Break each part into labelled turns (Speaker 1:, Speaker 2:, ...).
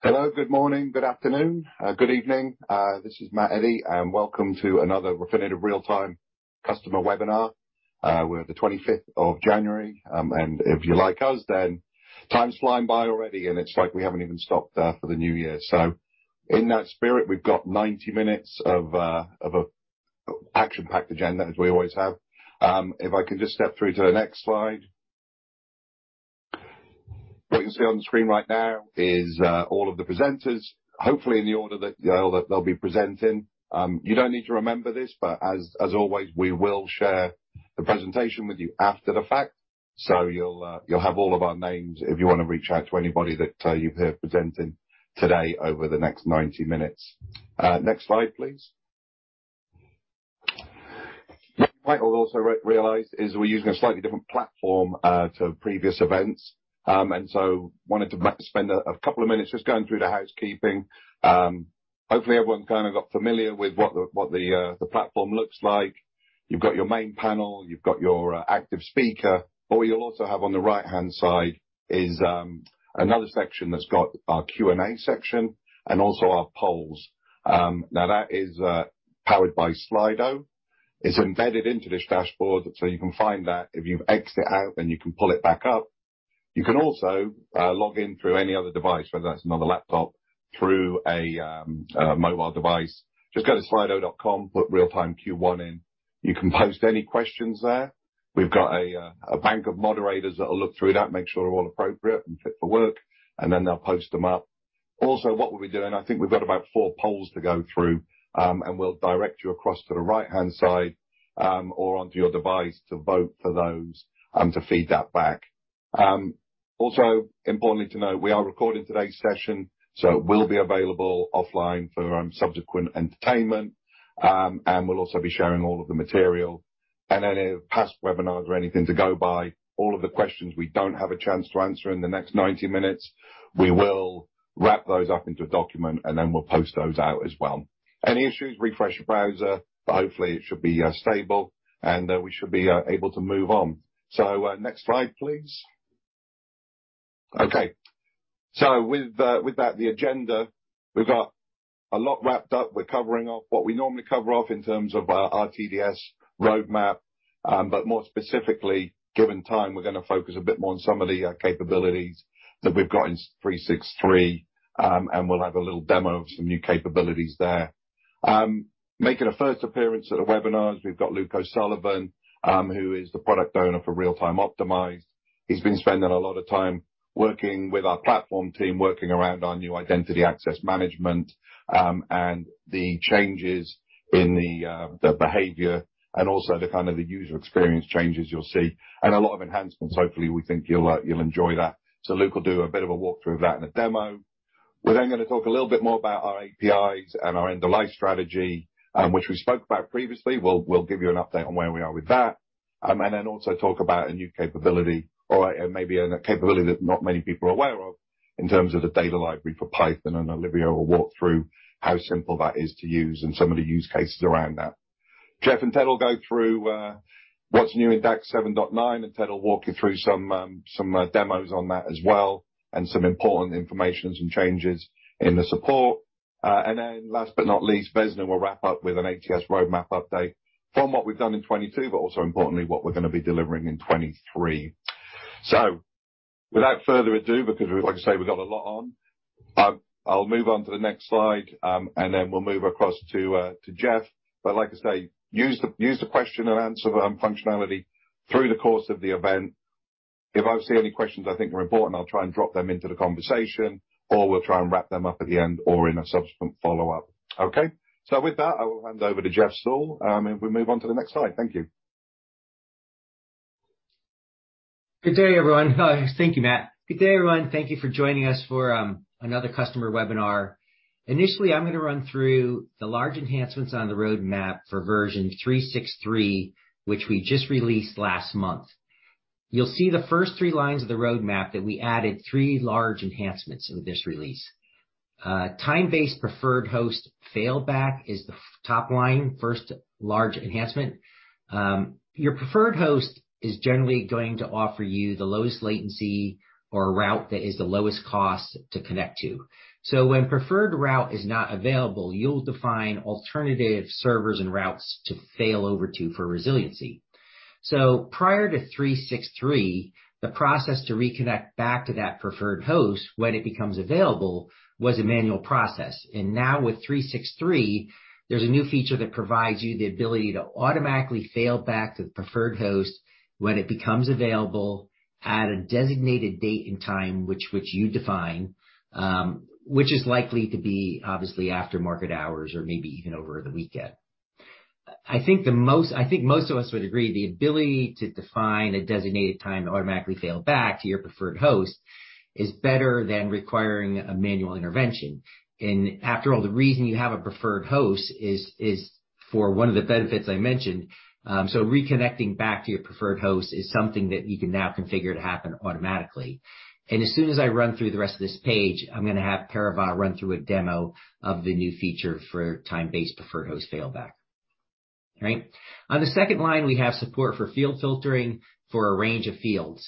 Speaker 1: Hello, good morning, good afternoon, good evening. This is Matt Eddy, and welcome to another Refinitiv Real-Time customer webinar. We're the 25th of January. If you're like us, then time's flying by already, and it's like we haven't even stopped for the new year. In that spirit, we've got 90 minutes of a action-packed agenda, as we always have. If I can just step through to the next slide. What you see on the screen right now is all of the presenters, hopefully in the order that they'll be presenting. You don't need to remember this, as always, we will share the presentation with you after the fact. You'll have all of our names if you wanna reach out to anybody that you hear presenting today over the next 90 minutes. Next slide, please. You might have also realized is we're using a slightly different platform to previous events. Wanted to spend a couple of minutes just going through the housekeeping. Hopefully everyone kinda got familiar with what the platform looks like. You've got your main panel, you've got your active speaker, but what you'll also have on the right-hand side is another section that's got our Q&A section and also our polls. That is powered by Slido. It's embedded into this dashboard, so you can find that. If you exit out, then you can pull it back up. You can also log in through any other device, whether that's another laptop, through a mobile device. Just go to slido.com, put Real Time Q 1 in. You can post any questions there. We've got a bank of moderators that will look through that, make sure they're all appropriate and fit for work, then they'll post them up. What we'll be doing, I think we've got about four polls to go through, we'll direct you across to the right-hand side, or onto your device to vote for those and to feed that back. Importantly to note, we are recording today's session, so it will be available offline for subsequent entertainment. We'll also be sharing all of the material. Any past webinars or anything to go by, all of the questions we don't have a chance to answer in the next 90 minutes, we will wrap those up into a document, then we'll post those out as well. Any issues, refresh your browser. Hopefully, it should be stable, we should be able to move on. Next slide, please. Okay. With that, the agenda, we've got a lot wrapped up. We're covering off what we normally cover off in terms of our RTDS roadmap. More specifically, given time, we're gonna focus a bit more on some of the capabilities that we've got in 3.6.3, we'll have a little demo of some new capabilities there. Making a first appearance at the webinars, we've got Luke O'Sullivan, who is the product owner for Real-Time – Optimized. He's been spending a lot of time working with our platform team, working around our new identity access management, and the changes in the behavior and also the kind of the usual experience changes you'll see, and a lot of enhancements, hopefully. We think you'll enjoy that. Luke will do a bit of a walk-through of that and a demo. We're then gonna talk a little bit more about our APIs and our end-of-life strategy, which we spoke about previously. We'll give you an update on where we are with that. Also talk about a new capability or, and maybe a capability that not many people are aware of in terms of the data library for Python, and Olivia will walk through how simple that is to use and some of the use cases around that. Jeff and Ted will go through what's new in DACS 7.9, and Ted will walk you through some demos on that as well, and some important information and some changes in the support. Last but not least, Vesna will wrap up with an ATS roadmap update from what we've done in 2022, but also importantly, what we're gonna be delivering in 2023. Without further ado, because like I say, we got a lot on, I'll move on to the next slide, and then we'll move across to Jeff. Like I say, use the question and answer functionality through the course of the event. If I see any questions I think are important, I'll try and drop them into the conversation, or we'll try and wrap them up at the end or in a subsequent follow-up. Okay? With that, I will hand over to Jeff Sewell, if we move on to the next slide. Thank you.
Speaker 2: Good day, everyone. Thank you, Matt. Good day, everyone. Thank you for joining us for another customer webinar. Initially, I'm gonna run through the large enhancements on the roadmap for version 3.6.3, which we just released last month. You'll see the first three lines of the roadmap that we added three large enhancements with this release. Time-based preferred host fallback is the top line, first large enhancement. Your preferred host is generally going to offer you the lowest latency or route that is the lowest cost to connect to. When preferred route is not available, you'll define alternative servers and routes to fail over to for resiliency. Prior to 3.6.3, the process to reconnect back to that preferred host when it becomes available was a manual process. Now with 3.6.3, there's a new feature that provides you the ability to automatically fail back to the preferred host when it becomes available at a designated date and time, which you define, which is likely to be obviously after market hours or maybe even over the weekend. I think most of us would agree the ability to define a designated time to automatically fail back to your preferred host is better than requiring a manual intervention. After all, the reason you have a preferred host is for one of the benefits I mentioned. Reconnecting back to your preferred host is something that you can now configure to happen automatically. As soon as I run through the rest of this page, I'm gonna have Parivat run through a demo of the new feature for time-based preferred host failback. Right. On the second line, we have support for field filtering for a range of fields.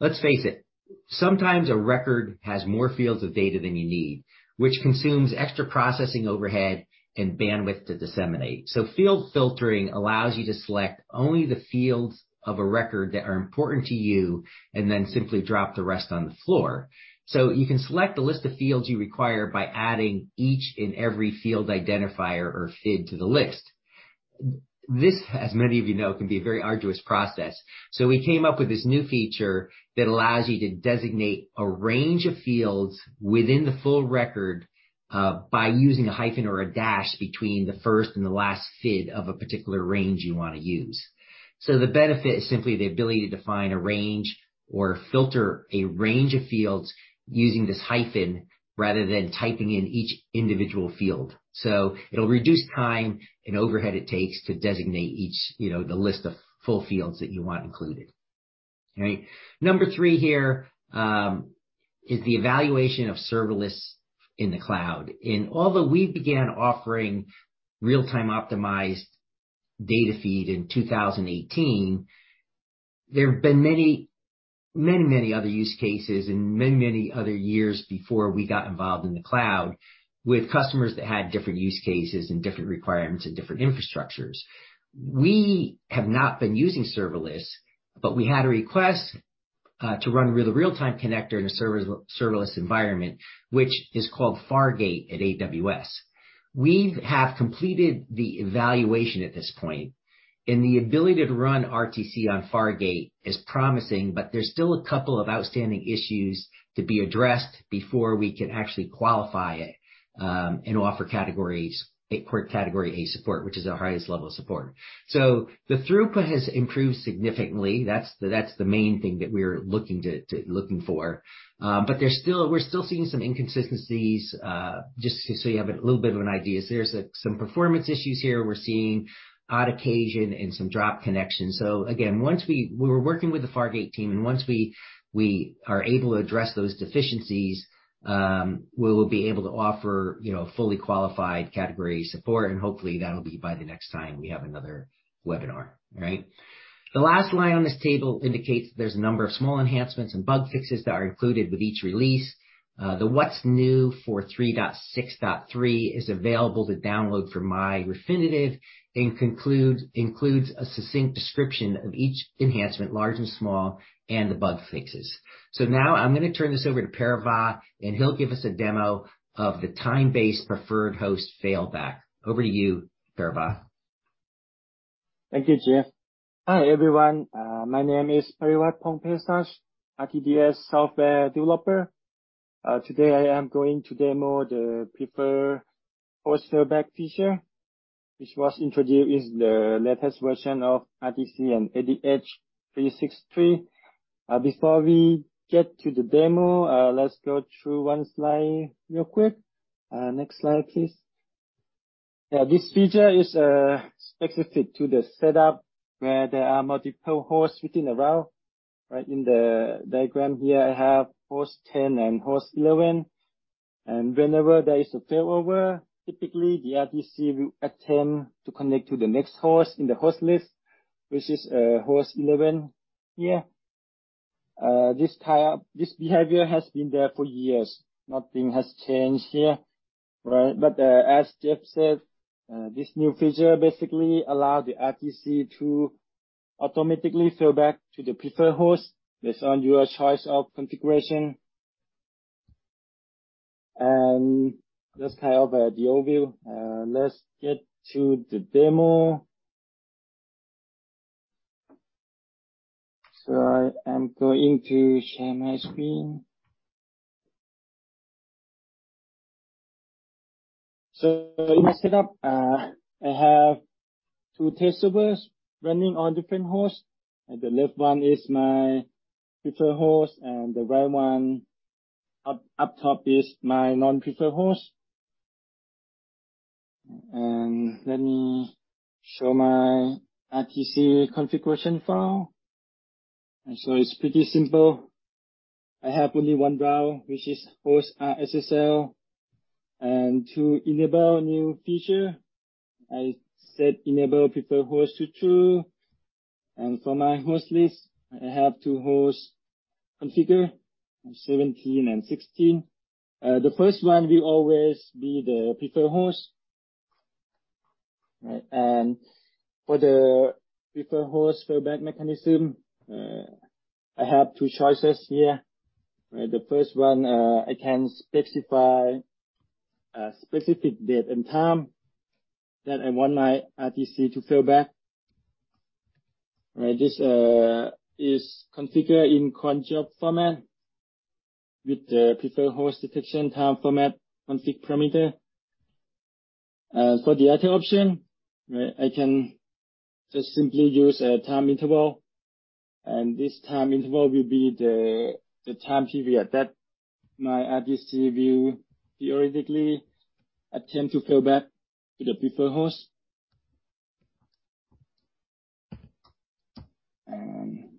Speaker 2: Let's face it, sometimes a record has more fields of data than you need, which consumes extra processing overhead and bandwidth to disseminate. Field filtering allows you to select only the fields of a record that are important to you and then simply drop the rest on the floor. You can select the list of fields you require by adding each and every field identifier or FID to the list. This, as many of you know, can be a very arduous process. We came up with this new feature that allows you to designate a range of fields within the full record, by using a hyphen or a dash between the first and the last FID of a particular range you wanna use. The benefit is simply the ability to define a range or filter a range of fields using this hyphen rather than typing in each individual field. It'll reduce time and overhead it takes to designate each, you know, the list of full fields that you want included. All right. Number three here, is the evaluation of serverless in the cloud. Although we began offering Real-Time Optimized data feed in 2018, there have been many other use cases and many other years before we got involved in the cloud with customers that had different use cases and different requirements and different infrastructures. We have not been using serverless, but we had a request to run the real-time connector in a serverless environment, which is called Fargate at AWS. We have completed the evaluation at this point, and the ability to run RTC on Fargate is promising, but there's still a couple of outstanding issues to be addressed before we can actually qualify it and offer category A support, which is our highest level of support. The throughput has improved significantly. That's the main thing that we're looking for. We're still seeing some inconsistencies. Just so you have a little bit of an idea. There's some performance issues here we're seeing on occasion and some dropped connections. Again, once we're working with the Fargate team, and once we are able to address those deficiencies, we will be able to offer, you know, fully qualified category support, and hopefully that'll be by the next time we have another webinar. All right? The last line on this table indicates that there's a number of small enhancements and bug fixes that are included with each release. The what's new for 3.6.3 is available to download from MyRefinitiv and includes a succinct description of each enhancement, large and small, and the bug fixes. Now I'm gonna turn this over to Parivat, and he'll give us a demo of the time-based preferred host failback. Over to you, Parivat.
Speaker 3: Thank you, Jeff. Hi, everyone. My name is Parivat Pongpaisach, RTDS software developer. Today I am going to demo the preferred host failback feature, which was introduced in the latest version of RTC and ADH 3.6.3. Before we get to the demo, let's go through one slide real quick. Next slide, please. This feature is specific to the setup where there are multiple hosts within a route. Right. In the diagram here, I have host 10 and host 11. Whenever there is a failover, typically the RTC will attempt to connect to the next host in the host list, which is host 11 here. This behavior has been there for years. Nothing has changed here, right? As Jeff said, this new feature basically allows the RTC to automatically failback to the preferred host based on your choice of configuration. That's kind of the overview. Let's get to the demo. I am going to share my screen. In my setup, I have two test servers running on different hosts. At the left one is my preferred host, and the right one up top is my non-preferred host. Let me show my RTC configuration file. It's pretty simple. I have only one route, which is host SSL. To enable new feature, I set enable preferred host to true. For my host list, I have two hosts configured, 17 and 16. The first one will always be the preferred host. Right. For the preferred host failback mechanism, I have two choices here. The first one, I can specify a specific date and time that I want my RTC to failback. This is configured in cron job format with the preferred host detection time format config parameter. For the other option, right, I can just simply use a time interval, and this time interval will be the time TV at that my RTC will theoretically attempt to failback to the preferred host.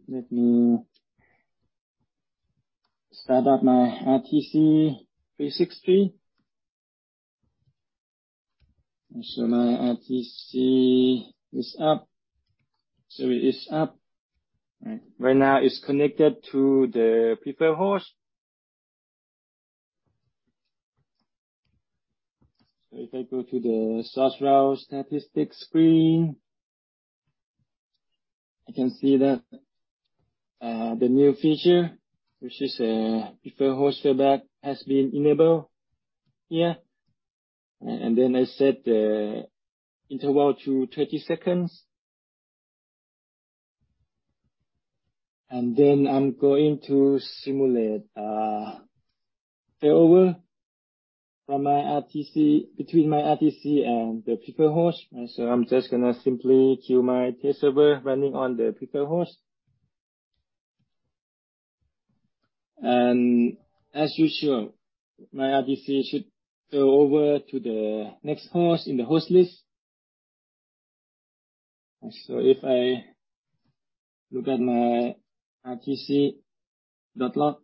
Speaker 3: Let me start up my RTC 3.6.3. My RTC is up. It is up. Right now it's connected to the preferred host. If I go to the source route statistics screen, I can see that the new feature, which is a preferred host fallback, has been enabled here. I set the interval to 30 seconds. I'm going to simulate a failover from my RTC...between my RTC and the preferred host. I'm just gonna simply kill my test server running on the preferred host. As usual, my RTC should fail over to the next host in the host list. If I look at my RTC dot log,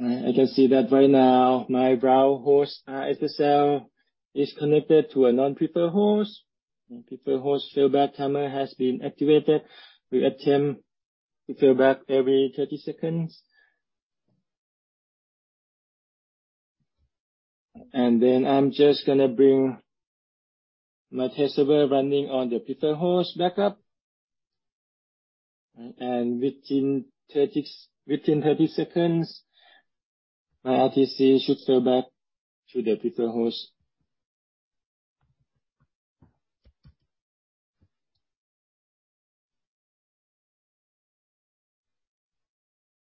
Speaker 3: I can see that right now my route host SSL is connected to a non-preferred host. Preferred host failback timer has been activated. We attempt to failback every 30 seconds. Then I'm just gonna bring my test server running on the preferred host back up. Within 30 seconds, my RTC should failback to the preferred host.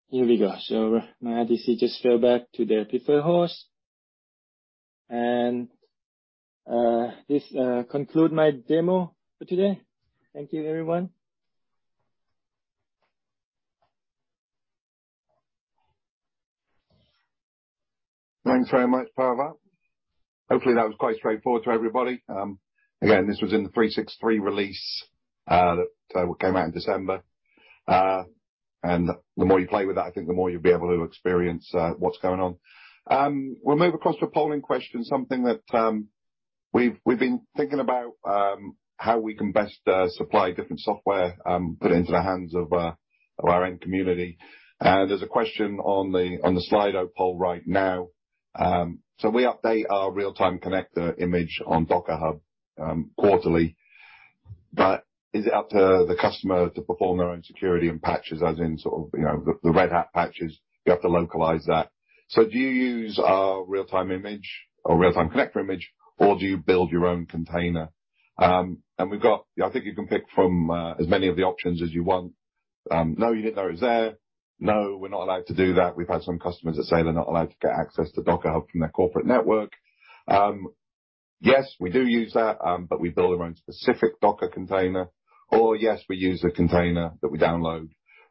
Speaker 3: Here we go. My RTC just failback to the preferred host. This conclude my demo for today. Thank you, everyone.
Speaker 1: Thanks very much, Pawel. Hopefully that was quite straightforward to everybody. Again, this was in the 3.6.3 release that came out in December. The more you play with that, I think the more you'll be able to experience what's going on. We'll move across to a polling question. Something that we've been thinking about how we can best supply different software put into the hands of our end community. There's a question on the Slido poll right now. We update our real-time connector image on Docker Hub quarterly. Is it up to the customer to perform their own security and patches, as in sort of, you know, the Red Hat patches, you have to localize that. Do you use our Real-Time image or Real-Time Connector image, or do you build your own container? We've got... I think you can pick from, as many of the options as you want. No, you didn't know it was there. No, we're not allowed to do that. We've had some customers that say they're not allowed to get access to Docker Hub from their corporate network. Yes, we do use that, but we build our own specific Docker container. Yes, we use the container that we download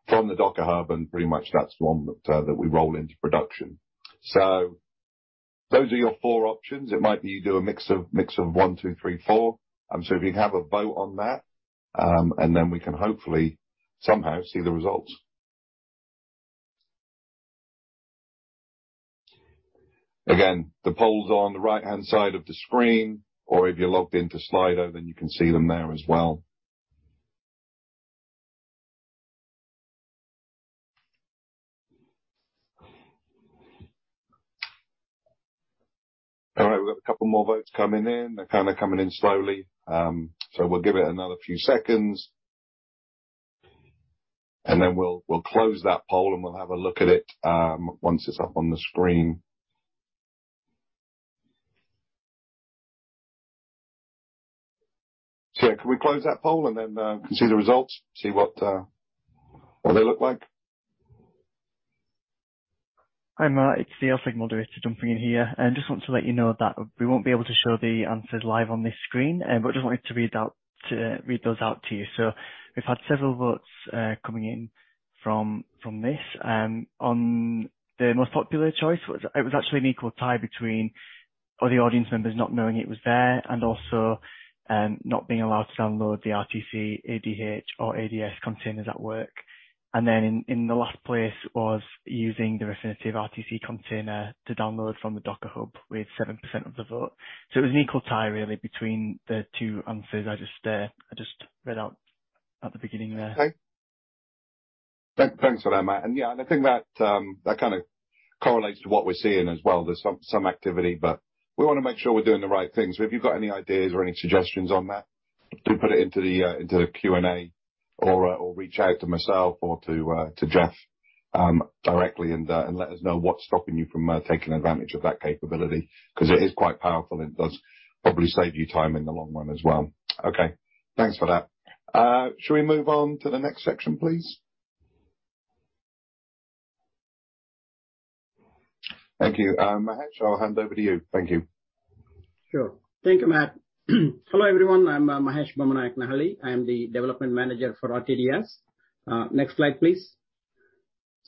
Speaker 1: from the Docker Hub, and pretty much that's the one that we roll into production. Those are your four options. It might be you do a mix of, mix of one, two, three, four. If you have a vote on that, and then we can hopefully somehow see the results. Again, the poll's on the right-hand side of the screen, or if you're logged into Slido, then you can see them there as well. All right. We've got a couple more votes coming in. They're kind of coming in slowly. We'll give it another few seconds. Then we'll close that poll, and we'll have a look at it once it's up on the screen. Yeah, can we close that poll and then can see the results? See what they look like?
Speaker 4: Hi, Matt. It's the LSEG moderator jumping in here. Just want to let you know that we won't be able to show the answers live on this screen, but just wanted to read those out to you. We've had several votes coming in from this. On the most popular choice, it was actually an equal tie between all the audience members not knowing it was there and also not being allowed to download the RTC ADH or ADS containers at work. Then in the last place was using the Refinitiv RTC container to download from the Docker Hub with 7% of the vote. It was an equal tie really between the two answers I just read out at the beginning there.
Speaker 1: Okay. Thanks for that, Matt. Yeah, I think that kind of correlates to what we're seeing as well. There's some activity, we wanna make sure we're doing the right thing. If you've got any ideas or any suggestions on that, do put it into the Q&A or reach out to myself or to Jeff directly and let us know what's stopping you from taking advantage of that capability. 'Cause it is quite powerful, it does probably save you time in the long run as well. Okay, thanks for that. Shall we move on to the next section, please? Thank you. Mahesh, I'll hand over to you. Thank you.
Speaker 5: Sure. Thank you, Matt. Hello, everyone. I'm Mahesh Bommanayakanahalli. I am the Development Manager for RTDS. Next slide, please.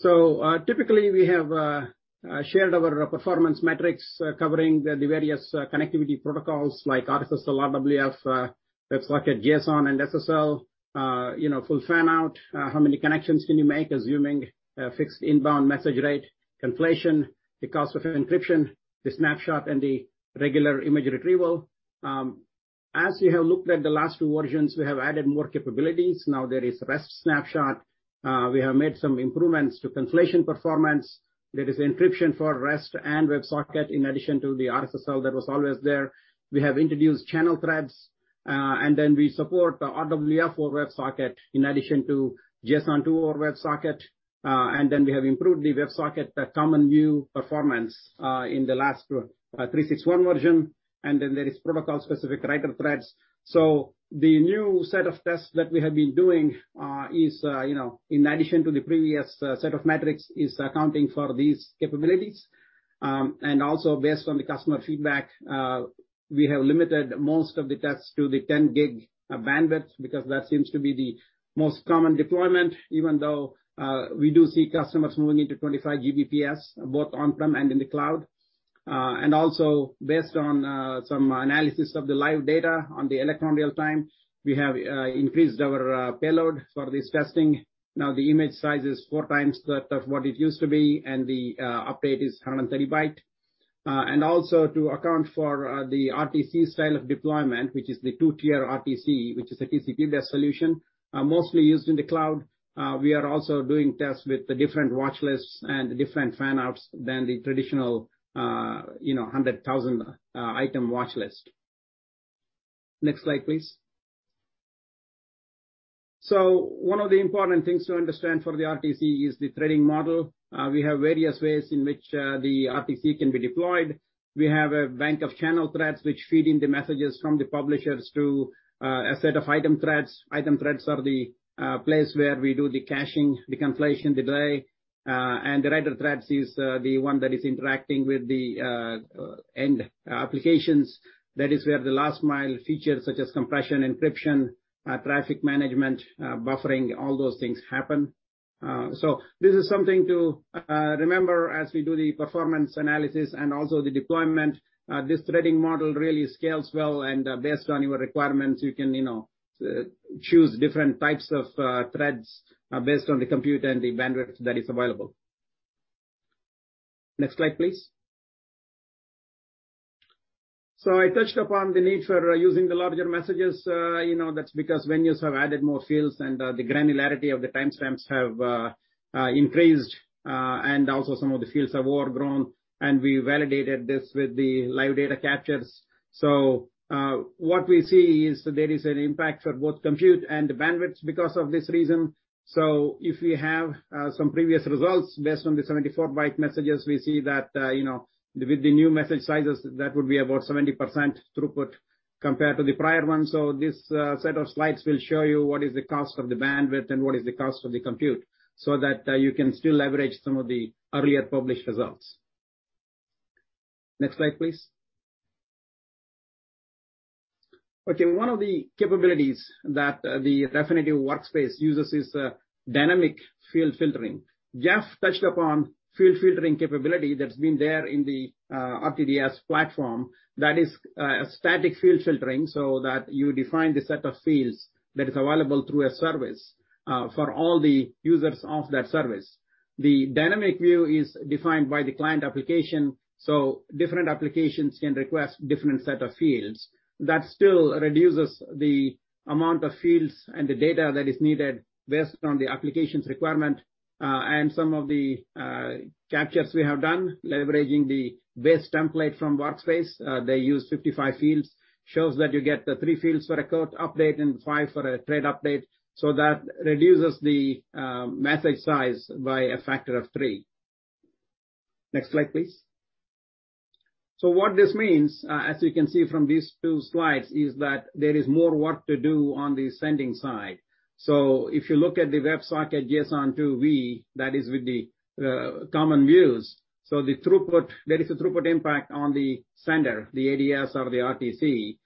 Speaker 5: Typically we have shared our performance metrics covering the various connectivity protocols like RWF to RWF, that's like a JSON and SSL, you know, full fan out, how many connections can you make assuming a fixed inbound message rate, conflation, the cost of encryption, the snapshot and the regular image retrieval. As you have looked at the last two versions, we have added more capabilities. Now there is REST snapshot. We have made some improvements to conflation performance. There is encryption for REST and WebSocket in addition to the RTFL that was always there. We have introduced channel threads, and then we support RWF over WebSocket in addition to JSON2 over WebSocket. And then we have improved the WebSocket, the common view performance, in the last 3.6.1 version, and then there is protocol-specific writer threads. The new set of tests that we have been doing, you know, in addition to the previous set of metrics, is accounting for these capabilities. Also based on the customer feedback, we have limited most of the tests to the 10 GB bandwidth, because that seems to be the most common deployment, even though we do see customers moving to 25 GBPS, both on-prem and in the cloud. Also based on some analysis of the live data on the electronic real time, we have increased our payload for this testing. Now, the image size is four times that of what it used to be, and the update is 130 byte. Ways in which the RTC can be deployed. We have a bank of channel threads which feed in the messages from the publishers to a set of item threads. Item threads are the place where we do the caching, the conflation, the delay. And the writer threads is the one that is interacting with the end applications That is where the last mile features such as compression, encryption, traffic management, buffering, all those things happen. This is something to remember as we do the performance analysis and also the deployment. This threading model really scales well, and based on your requirements, you can, you know, choose different types of threads, based on the compute and the bandwidth that is available. Next slide, please. I touched upon the need for using the larger messages. You know, that's because venues have added more fields and the granularity of the timestamps have increased, and also some of the fields have overgrown. We validated this with the live data captures. What we see is there is an impact for both compute and the bandwidth because of this reason. If we have some previous results based on the 74 byte messages, we see that, you know, with the new message sizes, that would be about 70% throughput compared to the prior one. This set of slides will show you what is the cost of the bandwidth and what is the cost of the compute, so that you can still leverage some of the earlier published results. Next slide, please. Okay, one of the capabilities that the Refinitiv Workspace uses is dynamic field filtering. Jeff touched upon field filtering capability that's been there in the RTDS platform. That is a static field filtering, so that you define the set of fields that is available through a service, for all the users of that service. The dynamic view is defined by the client application, so different applications can request different set of fields. That still reduces the amount of fields and the data that is needed based on the applications requirement. Some of the captures we have done leveraging the base template from Workspace, they use 55 fields. Shows that you get the three fields for a quote update and five for a trade update. That reduces the message size by a factor of three. Next slide, please. What this means, as you can see from these two slides, is that there is more work to do on the sending side. If you look at the WebSocket JSON2 V, that is with the common views. The throughput, there is a throughput impact on the sender, the ADS or the RTC.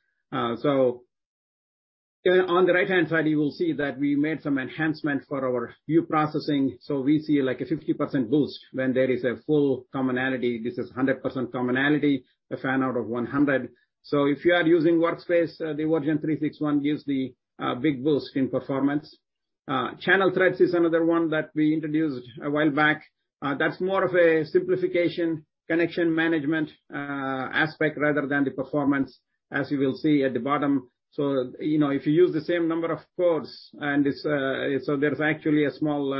Speaker 5: On the right-hand side, you will see that we made some enhancements for our view processing. We see like a 50% boost when there is a full commonality. This is 100% commonality, a fan out of 100. If you are using Workspace, the version 3.6.1 gives the big boost in performance. Channel threads is another one that we introduced a while back. That's more of a simplification connection management aspect rather than the performance, as you will see at the bottom. You know, if you use the same number of codes and this, there's actually a small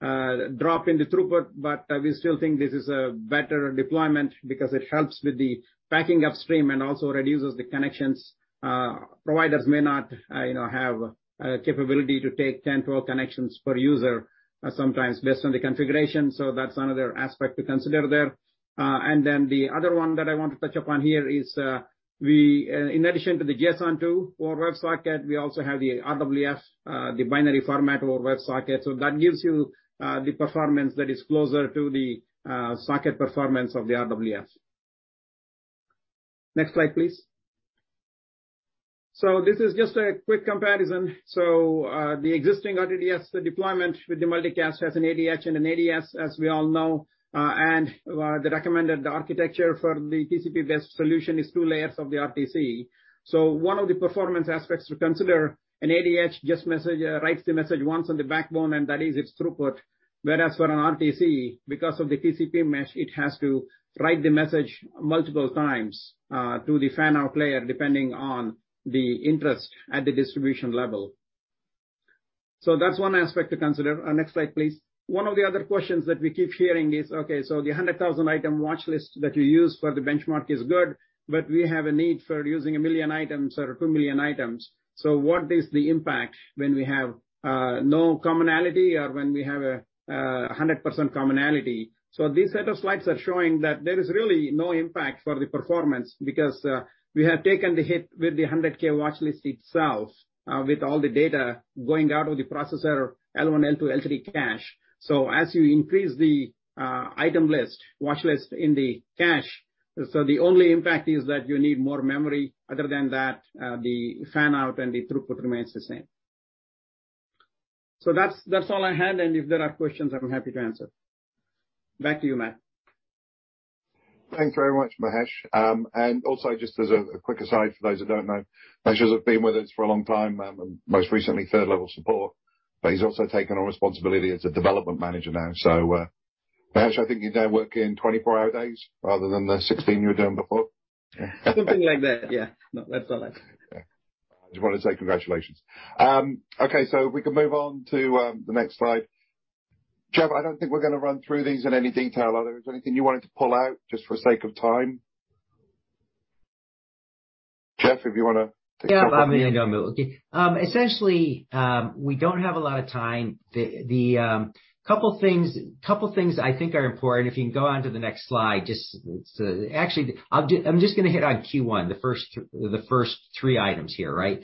Speaker 5: drop in the throughput, but we still think this is a better deployment because it helps with the backing upstream and also reduces the connections. Providers may not, you know, have capability to take 10, 12 connections per user, sometimes based on the configuration. That's another aspect to consider there. The other one that I want to touch upon here is, we, in addition to the JSON2 over WebSocket, we also have the RWF, the binary format over WebSocket. That gives you the performance that is closer to the socket performance of the RWF. Next slide, please. This is just a quick comparison. The existing RTDS deployment with the multicast has an ADH and an ADS, as we all know, and the recommended architecture for the TCP-based solution is two layers of the RTC. One of the performance aspects to consider, an ADH just writes the message once on the backbone, and that is its throughput. Whereas for an RTC, because of the TCP mesh, it has to write the message multiple times to the fan-out layer, depending on the interest at the distribution level. That's one aspect to consider. Next slide, please. One of the other questions that we keep hearing is, okay, the 100,000 item watch list that you use for the benchmark is good, but we have a need for using 1 million items or 2 million items. What is the impact when we have no commonality or when we have a 100% commonality? These set of slides are showing that there is really no impact for the performance because we have taken the hit with the 100K watch list itself with all the data going out of the processor L1, L2, L3 cache. As you increase the item list, watch list in the cache, so the only impact is that you need more memory. Other than that, the fan-out and the throughput remains the same. That's all I had, and if there are questions I'm happy to answer. Back to you, Matt.
Speaker 1: Thanks very much, Mahesh. Also, just as a quick aside for those that don't know, Mahesh has been with us for a long time, most recently third level support, but he's also taken on responsibility as a Development Manager now. Mahesh, I think you're now working 24 hour days rather than the 16 you were doing before.
Speaker 5: Something like that. Yeah. No, that's all right.
Speaker 1: Just wanted to say congratulations. Okay, we can move on to the next slide. Jeff, I don't think we're gonna run through these in any detail. Unless there's anything you wanted to pull out just for sake of time? Jeff, if you.
Speaker 2: Yeah. Okay. Essentially, we don't have a lot of time. Couple things I think are important. If you can go on to the next slide, actually, I'm just gonna hit on Q1, the first three items here, right?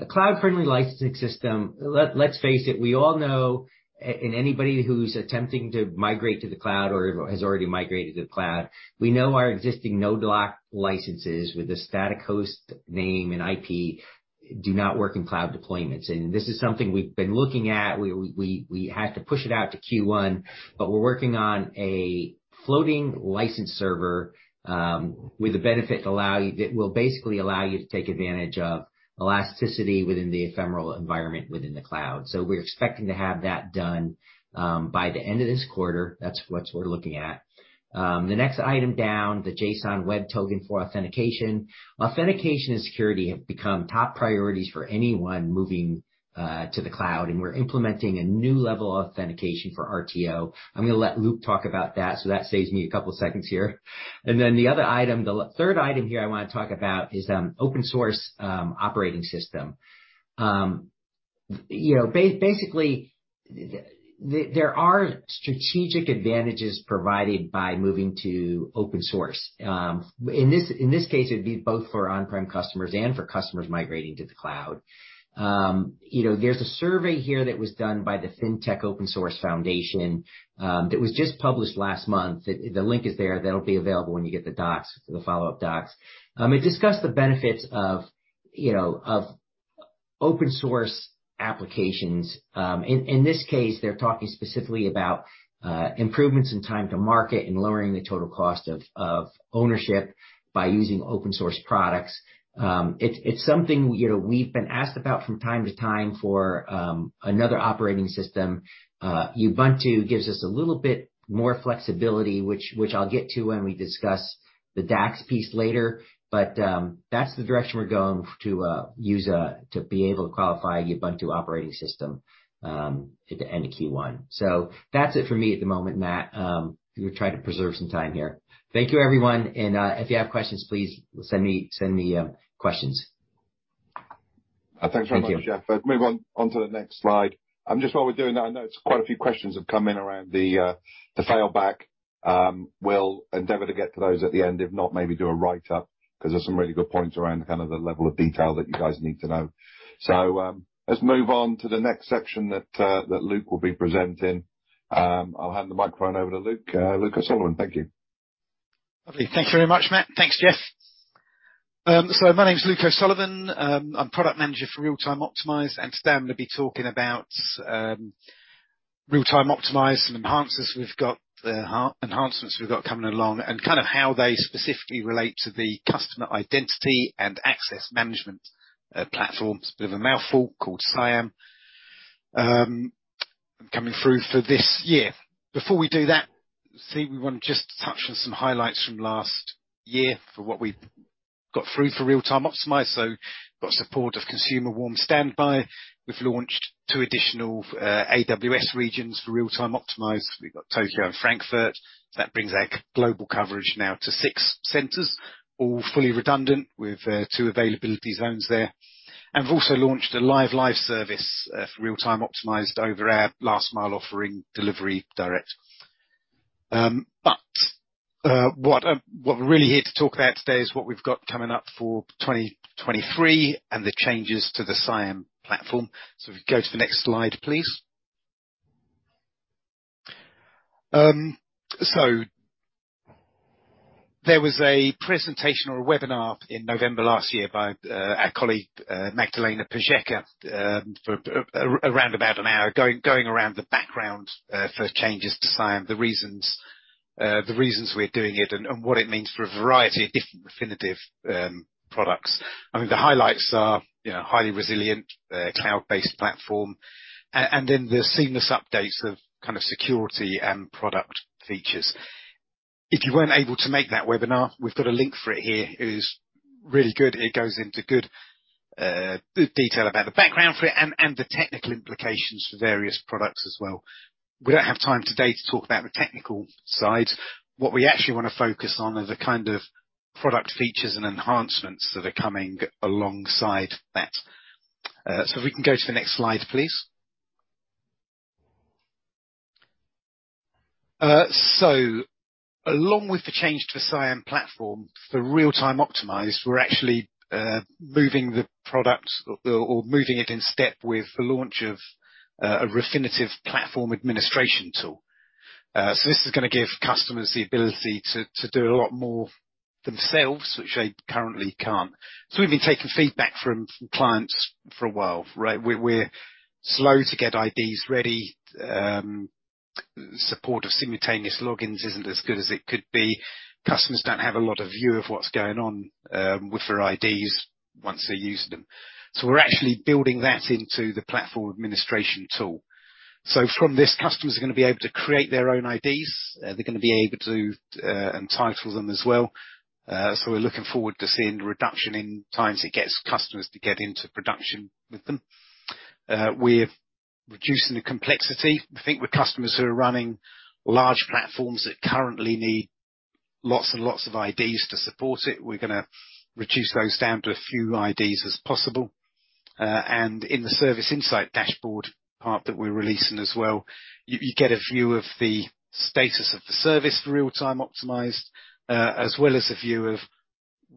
Speaker 2: A cloud-friendly licensing system. Let's face it, we all know and anybody who's attempting to migrate to the cloud or has already migrated to the cloud, we know our existing node-locked licenses with a static host name and IP do not work in cloud deployments. This is something we've been looking at. We had to push it out to Q1, but we're working on a floating license server, with a benefit that will basically allow you to take advantage of elasticity within the ephemeral environment within the cloud. We're expecting to have that done by the end of this quarter. That's what we're looking at. The next item down, the JSON Web Token for authentication. Authentication and security have become top priorities for anyone moving to the cloud, and we're implementing a new level of authentication for RTO. I'm gonna let Luke talk about that, so that saves me a couple seconds here. The other item, the third item here I wanna talk about is open source operating system. You know, basically, there are strategic advantages provided by moving to open source. In this, in this case, it'd be both for on-prem customers and for customers migrating to the cloud. You know, there's a survey here that was done by the FinTech Open Source Foundation that was just published last month. The link is there. That'll be available when you get the docs, the follow-up docs. It discussed the benefits of, you know, of open source applications. In this case, they're talking specifically about improvements in time to market and lowering the total cost of ownership by using open source products. It's something, you know, we've been asked about from time to time for another operating system. Ubuntu gives us a little bit more flexibility, which I'll get to when we discuss the DACS piece later, but that's the direction we're going to use to be able to qualify Ubuntu operating system at the end of Q1. That's it for me at the moment, Matt. We're trying to preserve some time here. Thank you everyone, and if you have questions, please send me questions.
Speaker 1: Thanks very much, Jeff.
Speaker 2: Thank you.
Speaker 1: Let's move on to the next slide. Just while we're doing that, I know it's quite a few questions have come in around the failback. We'll endeavor to get to those at the end. If not, maybe do a write-up, 'cause there's some really good points around kind of the level of detail that you guys need to know. Let's move on to the next section that Luke will be presenting. I'll hand the microphone over to Luke. Luke O'Sullivan, thank you.
Speaker 6: Lovely. Thank you very much, Matt. Thanks, Jeff. My name's Luke O'Sullivan. I'm Product Manager for Real-Time – Optimized, and today I'm gonna be talking about Real-Time – Optimized and the enhancers we've got, enhancements we've got coming along and kind of how they specifically relate to the customer identity and access management, platform. It's a bit of a mouthful, called CIAM. Coming through for this year. Before we do that, see, we want to just touch on some highlights from last year for what we've got through for Real-Time – Optimized. Got support of consumer warm standby. We've launched two additional AWS regions for Real-Time – Optimized. We've got Tokyo and Frankfurt. That brings our global coverage now to six centers, all fully redundant with two availability zones there. We've also launched a live life service for Real-Time – Optimized over our last mile offering Delivery Direct. What we're really here to talk about today is what we've got coming up for 2023 and the changes to the CIAM platform. If we go to the next slide, please. There was a presentation or a webinar in November last year by our colleague, Magdalena Pszczółka, for around about an hour going around the background for changes to CIAM, the reasons we're doing it and what it means for a variety of different Refinitiv products. I mean, the highlights are, you know, highly resilient, cloud-based platform, and then the seamless updates of security and product features. If you weren't able to make that webinar, we've got a link for it here. It is really good. It goes into good detail about the background for it and the technical implications for various products as well. We don't have time today to talk about the technical side. What we actually wanna focus on are the kind of product features and enhancements that are coming alongside that. If we can go to the next slide, please. Along with the change to the CIAM platform, for Real-Time Optimized, we're actually moving the product or moving it in step with the launch of a Refinitiv platform administration tool. This is gonna give customers the ability to do a lot more themselves, which they currently can't. We've been taking feedback from clients for a while, right? We're slow to get IDs ready. Support of simultaneous logins isn't as good as it could be. Customers don't have a lot of view of what's going on with their IDs once they use them. We're actually building that into the platform administration tool. From this, customers are gonna be able to create their own IDs. They're gonna be able to entitle them as well. We're looking forward to seeing the reduction in times it gets customers to get into production with them. We're reducing the complexity. I think with customers who are running large platforms that currently need lots and lots of IDs to support it, we're gonna reduce those down to a few IDs as possible. In the service insight dashboard part that we're releasing as well, you get a view of the status of the service for Real-Time Optimized, as well as a view of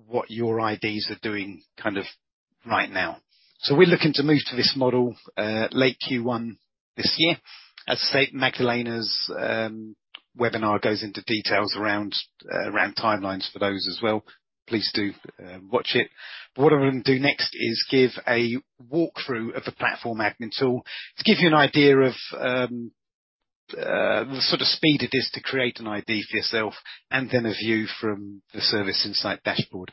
Speaker 6: what your IDs are doing kind of right now. We're looking to move to this model late Q1 this year. As I said, Magdalena's webinar goes into details around timelines for those as well. Please do watch it. What I'm gonna do next is give a walkthrough of the platform admin tool to give you an idea of the sort of speed it is to create an ID for yourself, and then a view from the service insight dashboard.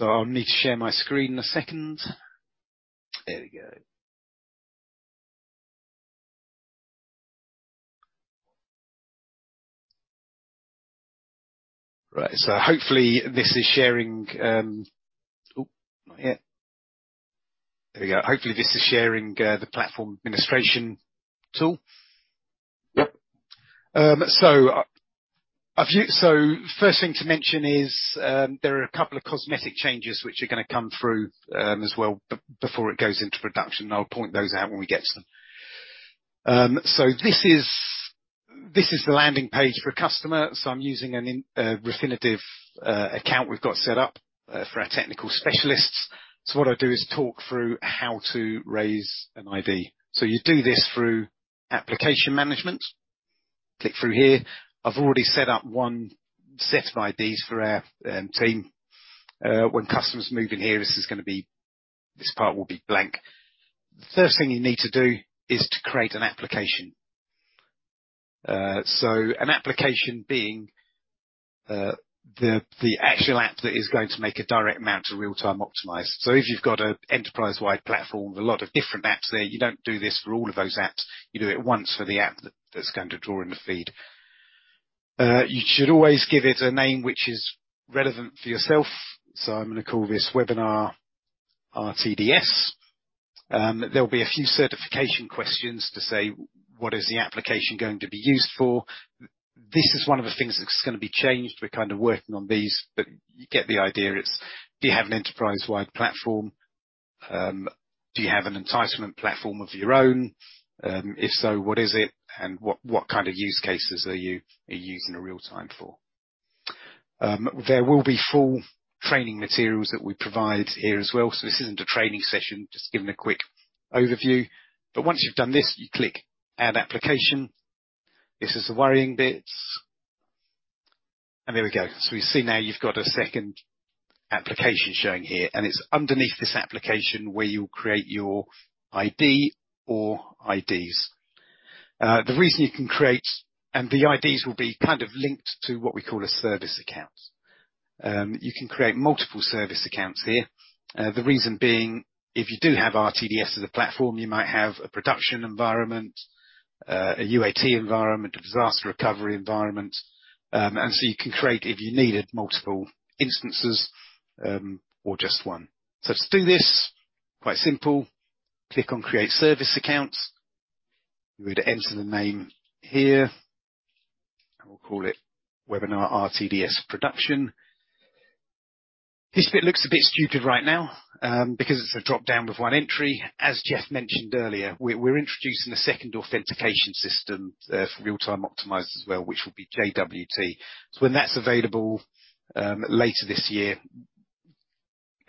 Speaker 6: I'll need to share my screen in a second. There we go. Right. Hopefully this is sharing. Ooh, not yet. There we go. Hopefully, this is sharing the platform administration tool. First thing to mention is, there are a couple of cosmetic changes which are gonna come through as well before it goes into production, and I'll point those out when we get to them. This is the landing page for a customer. I'm using an Refinitiv account we've got set up for our technical specialists. What I'll do is talk through how to raise an ID. You do this through application management. Click through here. I've already set up one set of IDs for our team. When customers move in here, this part will be blank. First thing you need to do is to create an application. An application being the actual app that is going to make a direct amount to Real-Time Optimized. If you've got an enterprise-wide platform with a lot of different apps there, you don't do this for all of those apps. You do it once for the app that's going to draw in the feed. You should always give it a name which is relevant for yourself. I'm gonna call this Webinar RTDS. There'll be a few certification questions to say, what is the application going to be used for? This is one of the things that's gonna be changed. We're kind of working on these, but you get the idea. It's. Do you have an enterprise-wide platform? Do you have an entitlement platform of your own? If so, what is it? What kind of use cases are you using the real-time for? There will be full training materials that we provide here as well. This isn't a training session, just giving a quick overview. Once you've done this, you click Add Application. This is the worrying bit. There we go. We see now you've got a second application showing here, and it's underneath this application where you'll create your ID or IDs. The IDs will be kind of linked to what we call a service account. You can create multiple service accounts here. The reason being, if you do have RTDS as a platform, you might have a production environment, a UAT environment, a disaster recovery environment. So you can create, if you needed, multiple instances, or just one. To do this, quite simple, click on Create Service Accounts. You would enter the name here, and we'll call it Webinar RTDS Production. This bit looks a bit stupid right now, because it's a dropdown with one entry. As Jeff mentioned earlier, we're introducing a second authentication system for Real-Time Optimized as well, which will be JWT. When that's available later this year,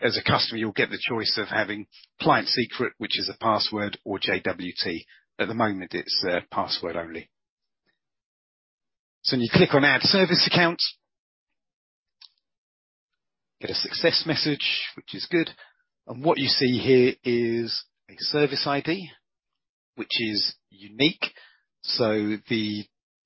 Speaker 6: as a customer, you'll get the choice of having client secret, which is a password, or JWT. At the moment, it's password only. When you click on Add Service Account, get a success message, which is good. What you see here is a service ID, which is unique. The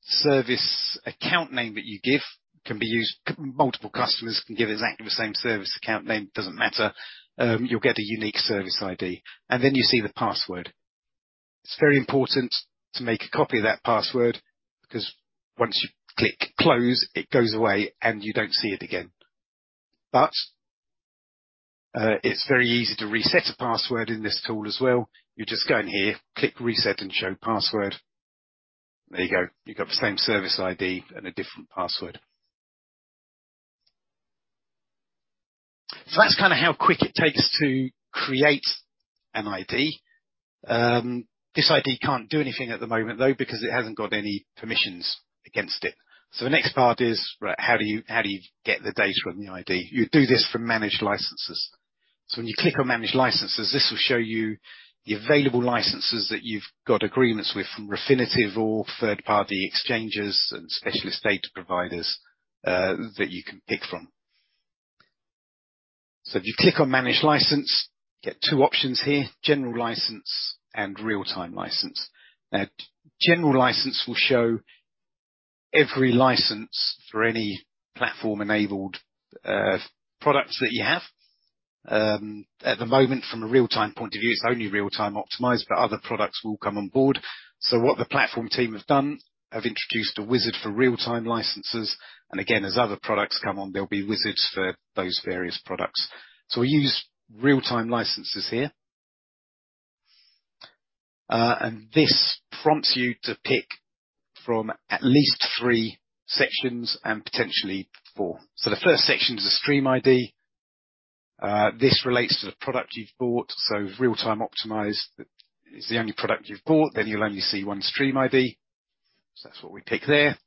Speaker 6: service account name that you give can be used. Multiple customers can give exactly the same service account name. It doesn't matter. You'll get a unique service ID, and then you see the password. It's very important to make a copy of that password 'cause once you click Close, it goes away and you don't see it again. It's very easy to reset a password in this tool as well. You just go in here, click Reset and Show Password. There you go. You got the same service ID and a different password. That's kinda how quick it takes to create an ID. This ID can't do anything at the moment, though, because it hasn't got any permissions against it. The next part is, right, how do you get the data on the ID? You do this from Managed Licenses. When you click on Manage Licenses, this will show you the available licenses that you've got agreements with from Refinitiv or third-party exchanges and specialist data providers that you can pick from. If you click on Manage License, you get two options here: General License and Real-Time License. General License will show every license for any platform-enabled products that you have. At the moment, from a real-time point of view, it's only Real-Time Optimized, but other products will come on board. What the platform team have done, have introduced a wizard for Real-Time Licenses, and again, as other products come on, there'll be wizards for those various products. We use Real-Time Licenses here. This prompts you to pick from at least three sections and potentially four. The first section is a stream ID. This relates to the product you've bought. If Real-Time Optimized is the only product you've bought, you'll only see one stream ID. That's what we pick there.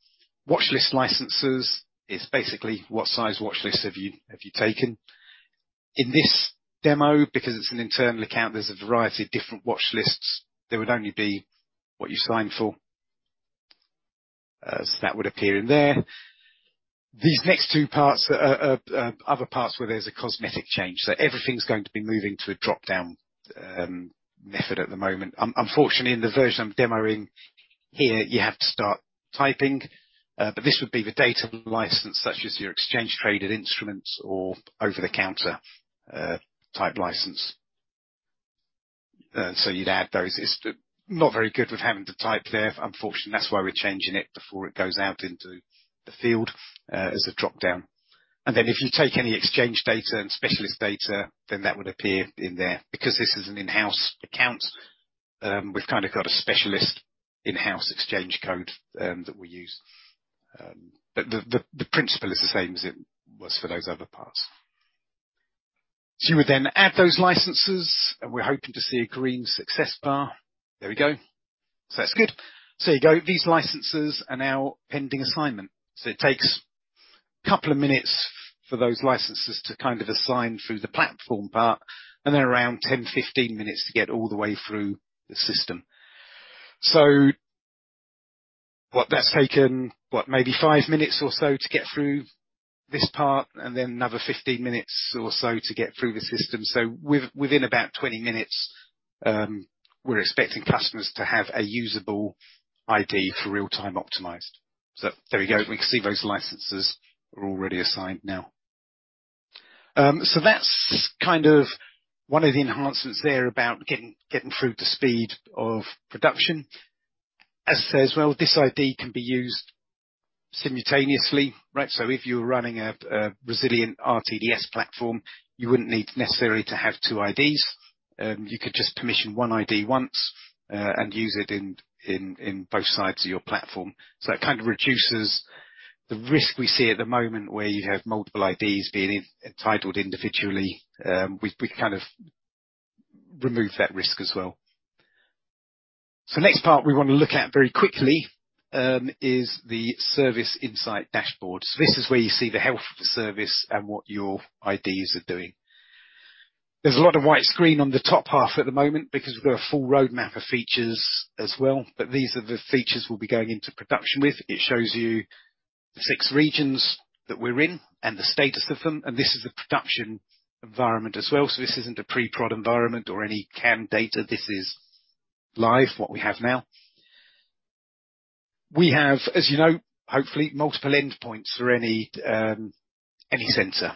Speaker 6: Watchlist licenses is basically what size watchlist have you taken. In this demo, because it's an internal account, there's a variety of different watchlists. There would only be what you signed for. That would appear in there. These next two parts are other parts where there's a cosmetic change. Everything's going to be moving to a drop-down method at the moment. Unfortunately, in the version I'm demoing here, you have to start typing. This would be the data license, such as your exchange traded instruments or over-the-counter type license. You'd add those. It's not very good with having to type there, unfortunately. That's why we're changing it before it goes out into the field, as a drop-down. If you take any exchange data and specialist data, then that would appear in there. This is an in-house account, we've kinda got a specialist in-house exchange code that we use. But the, the principle is the same as it was for those other parts. You would then add those licenses, and we're hoping to see a green success bar. There we go. That's good. You go, these licenses are now pending assignment. It takes couple of minutes for those licenses to kind of assign through the platform part, and they're around 10, 15 minutes to get all the way through the system. What that's taken, what, maybe five minutes or so to get through this part and then another 15 minutes or so to get through the system. Within about 20 minutes, we're expecting customers to have a usable ID for Real-Time Optimized. There we go. We can see those licenses are already assigned now. That's kind of one of the enhancements there about getting through the speed of production. As says, well, this ID can be used simultaneously, right? If you're running a resilient RTDS platform, you wouldn't need necessarily to have two IDs. You could just permission one ID once, and use it in both sides of your platform. It kind of reduces the risk we see at the moment where you have multiple IDs being entitled individually. We kind of remove that risk as well. Next part we wanna look at very quickly is the service insight dashboard. This is where you see the health of the service and what your IDs are doing. There's a lot of white screen on the top half at the moment because we've got a full roadmap of features as well, but these are the features we'll be going into production with. It shows you the six regions that we're in and the status of them, and this is a production environment as well. This isn't a pre-prod environment or any CIAM data. This is live, what we have now. We have, as you know, hopefully, multiple endpoints for any sensor.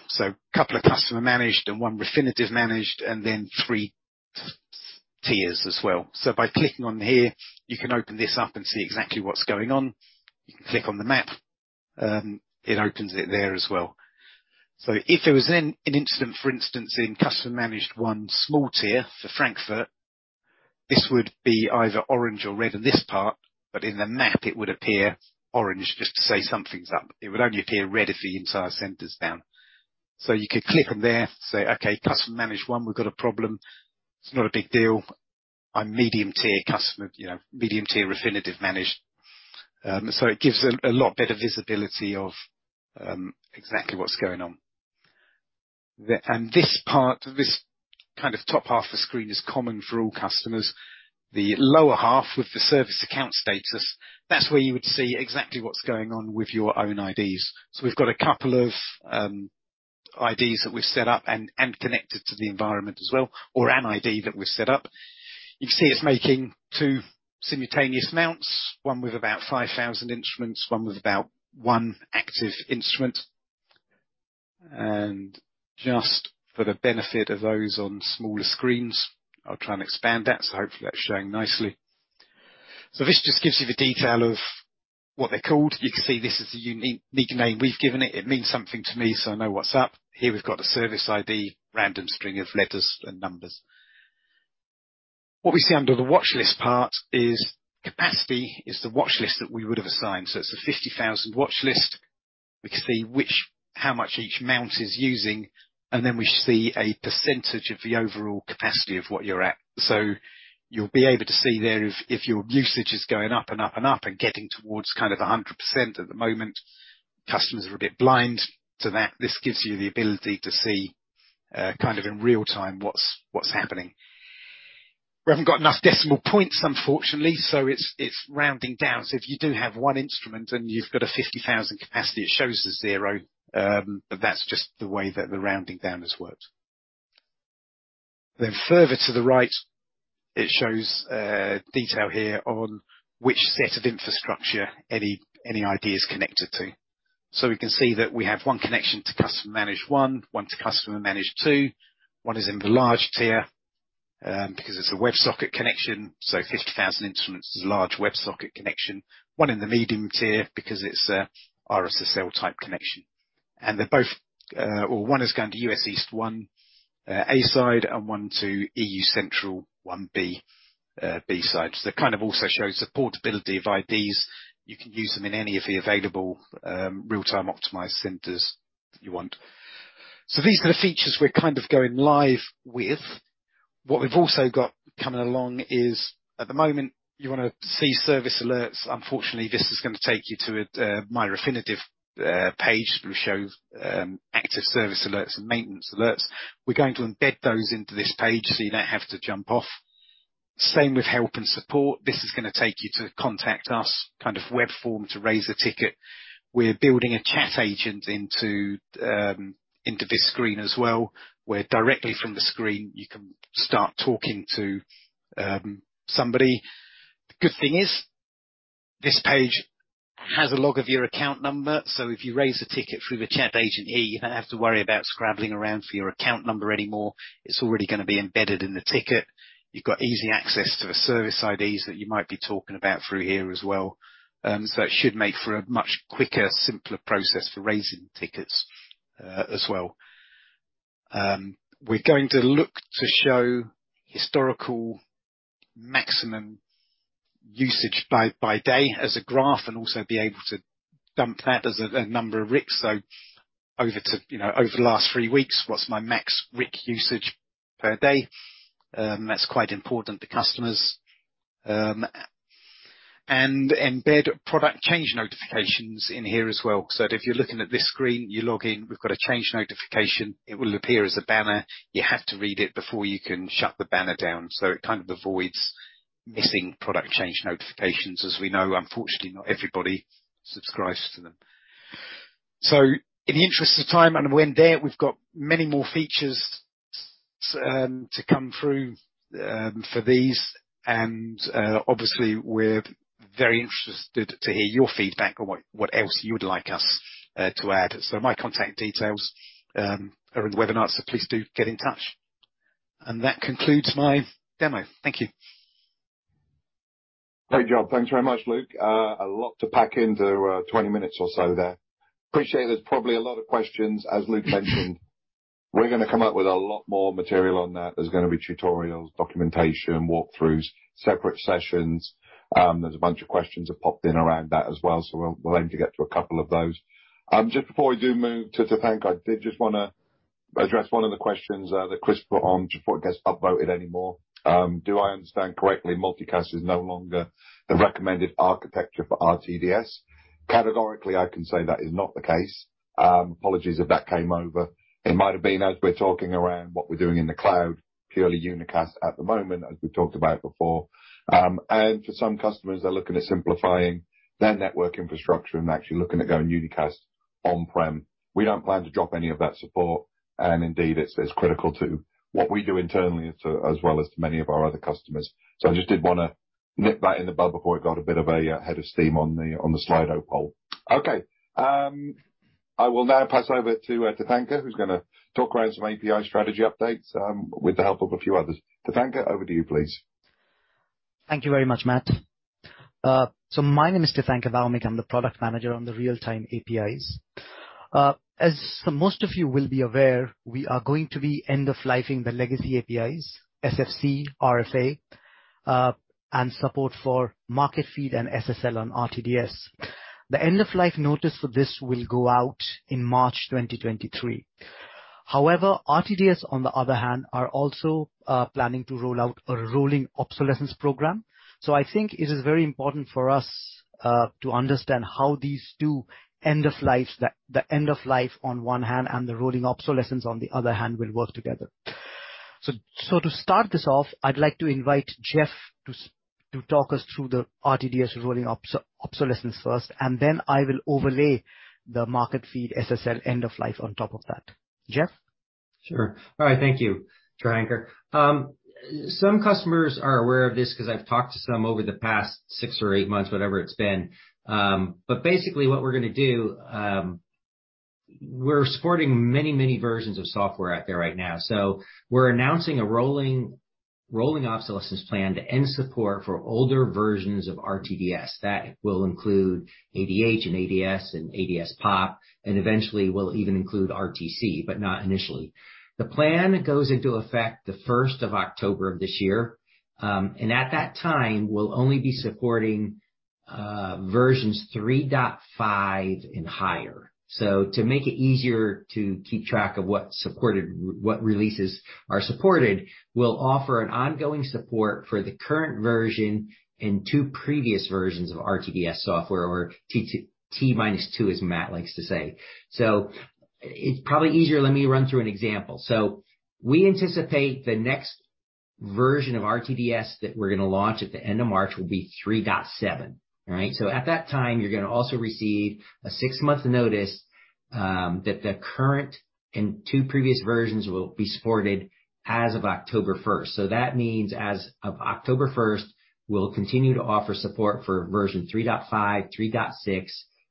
Speaker 6: Couple of customer managed and one Refinitiv managed, and then three tiers as well. By clicking on here, you can open this up and see exactly what's going on. You can click on the map, it opens it there as well. If there was an incident, for instance, in customer managed one small tier for Frankfurt, this would be either orange or red in this part. In the map it would appear orange just to say something's up. It would only appear red if the entire center's down. You could click on there, say, "Okay, customer managed one, we've got a problem." It's not a big deal. I'm medium tier customer, you know, medium tier Refinitiv Managed. It gives them a lot better visibility of exactly what's going on. This part, this kind of top half of the screen is common for all customers. The lower half with the service account status, that's where you would see exactly what's going on with your own IDs. We've got a couple of IDs that we've set up and connected to the environment as well, or an ID that we've set up. You can see it's making two simultaneous mounts, one with about 5,000 instruments, one with about one active instrument. Just for the benefit of those on smaller screens, I'll try and expand that, hopefully that's showing nicely. This just gives you the detail of what they're called. You can see this is a unique name we've given it. It means something to me, I know what's up. Here we've got the service ID, random string of letters and numbers. What we see under the watchlist part is capacity, is the watchlist that we would have assigned. It's a 50,000 watchlist. We can see how much each mount is using, and then we see a percentage of the overall capacity of what you're at. You'll be able to see there if your usage is going up and up and up and getting towards kind of 100%. At the moment, customers are a bit blind to that. This gives you the ability to see kind of in real-time what's happening. We haven't got enough decimal points unfortunately, so it's rounding down. If you do have 1 instrument and you've got a 50,000 capacity, it shows as zero. But that's just the way that the rounding down has worked. Further to the right, it shows detail here on which set of infrastructure any ID is connected to. We can see that we have one connection to customer managed one to customer managed two. One is in the large tier, because it's a WebSocket connection, so 50,000 instruments is a large WebSocket connection. One in the medium tier because it's a RSSL type connection. They're both, or one has gone to U.S. East one A side, and one to EU Central one B side. It kind of also shows the portability of IDs. You can use them in any of the available real-time optimized centers that you want. These are the features we're kind of going live with. What we've also got coming along is at the moment, you wanna see service alerts. Unfortunately, this is gonna take you to a MyRefinitiv page, which shows active service alerts and maintenance alerts. We're going to embed those into this page, so you don't have to jump off. Same with help and support. This is going to take you to Contact Us, kind of web form to raise a ticket. We're building a chat agent into this screen as well, where directly from the screen you can start talking to somebody. The good thing is, this page has a log of your account number, so if you raise a ticket through the chat agent here, you don't have to worry about scrabbling around for your account number anymore. It's already going to be embedded in the ticket. You've got easy access to the service IDs that you might be talking about through here as well. It should make for a much quicker, simpler process for raising tickets as well. We're going to look to show historical maximum usage by day as a graph and also be able to dump that as a number of RICs. Over to, you know, over the last three weeks, what's my max RIC usage per day? That's quite important to customers. And embed product change notifications in here as well. That if you're looking at this screen, you log in, we've got a change notification, it will appear as a banner. You have to read it before you can shut the banner down, so it kind of avoids missing product change notifications. As we know, unfortunately, not everybody subscribes to them. In the interest of time, and when there, we've got many more features to come through for these. Obviously we're very interested to hear your feedback on what else you would like us, to add. My contact details, are in the webinar, so please do get in touch. That concludes my demo. Thank you.
Speaker 1: Great job. Thanks very much, Luke. A lot to pack into 20 minutes or so there. Appreciate there's probably a lot of questions, as Luke mentioned. We're gonna come up with a lot more material on that. There's gonna be tutorials, documentation, walkthroughs, separate sessions. There's a bunch of questions that popped in around that as well. We'll aim to get through a couple of those. Just before we do move to Tirthankar, I did just wanna address one of the questions that Chris put on just before it gets upvoted any more. Do I understand correctly, multicast is no longer the recommended architecture for RTDS? Categorically, I can say that is not the case. Apologies if that came over. It might have been as we're talking around what we're doing in the cloud, purely unicast at the moment, as we've talked about before. For some customers, they're looking at simplifying their network infrastructure and actually looking at going unicast on-prem. We don't plan to drop any of that support. Indeed, it's critical to what we do internally as well as to many of our other customers. I just did wanna nip that in the bud before it got a bit of a head of steam on the Slido poll. Okay. I will now pass over to Tirthankar who's gonna talk around some API strategy updates with the help of a few others. Tirthankar over to you, please.
Speaker 7: Thank you very much, Matt. My name is Tirthankar Bhaumik. I'm the product manager on the real-time APIs. As most of you will be aware, we are going to be end-of-lifing the legacy APIs, SFC, RFA, and support for Marketfeed and SSL on RTDS. The end-of-life notice for this will go out in March 2023. However, RTDS, on the other hand, are also planning to roll out a rolling obsolescence program. I think it is very important for us to understand how these two end of life, the end of life on one hand, and the rolling obsolescence on the other hand will work together. To start this off, I'd like to invite Jeff to talk us through the RTDS rolling obsolescence first. Then I will overlay the Marketfeed SSL end of life on top of that. Jeff?
Speaker 2: Sure. All right. Thank you. Some customers are aware of this because I've talked to some over the past six or eight months, whatever it's been. Basically what we're going to do, we're supporting many versions of software out there right now. We're announcing a rolling obsolescence plan to end support for older versions of RTDS. That will include ADH and ADS and ADS POP, and eventually will even include RTC, but not initially. The plan goes into effect the first of October of this year, and at that time, we'll only be supporting versions 3.5 and higher. To make it easier to keep track of what releases are supported, we'll offer an ongoing support for the current version and two previous versions of RTDS software or T minus two, as Matt likes to say. It's probably easier, let me run through an example. We anticipate the next version of RTDS that we're gonna launch at the end of March will be 3.7. All right? At that time, you're gonna also receive a 6-month notice that the current and two previous versions will be supported as of October 1st. That means as of October 1st, we'll continue to offer support for version 3.5, 3.6,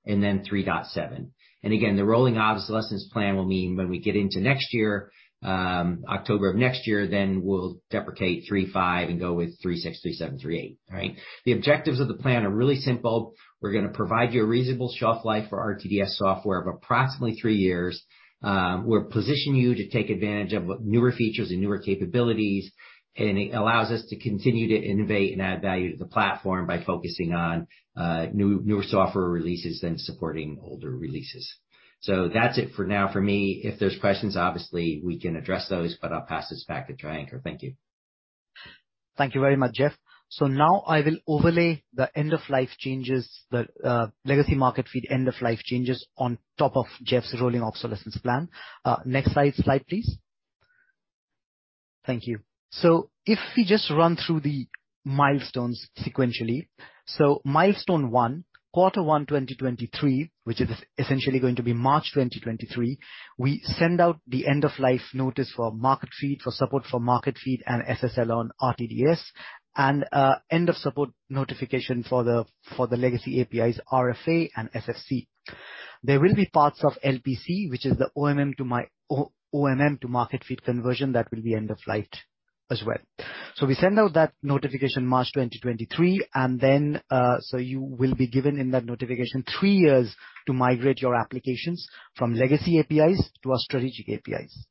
Speaker 2: and then 3.7. Again, the rolling obsolescence plan will mean when we get into next year, October of next year, then we'll deprecate 3.5 and go with 3.6, 3.7, 3.8. All right? The objectives of the plan are really simple. We're gonna provide you a reasonable shelf life for RTDS software of approximately three years. We'll position you to take advantage of newer features and newer capabilities, and it allows us to continue to innovate and add value to the platform by focusing on newer software releases than supporting older releases. That's it for now for me. If there's questions, obviously we can address those, but I'll pass this back to Tirthankar. Thank you.
Speaker 7: Thank you very much, Jeff. Now I will overlay the end of life changes the legacy Marketfeed end of life changes on top of Jeff's rolling obsolescence plan. Next slide, please. Thank you. If we just run through the milestones sequentially. Milestone 1, Q1 2023, which is essentially going to be March 2023, we send out the end of life notice for Marketfeed, for support for Marketfeed and SSL on RTDS. End of support notification for the legacy APIs, RFA and SFC. There will be parts of LPC, which is the OMM to Marketfeed conversion that will be end of life as well. We send out that notification March 2023, and then, so you will be given in that notification three years to migrate your applications from legacy APIs to our strategic APIs.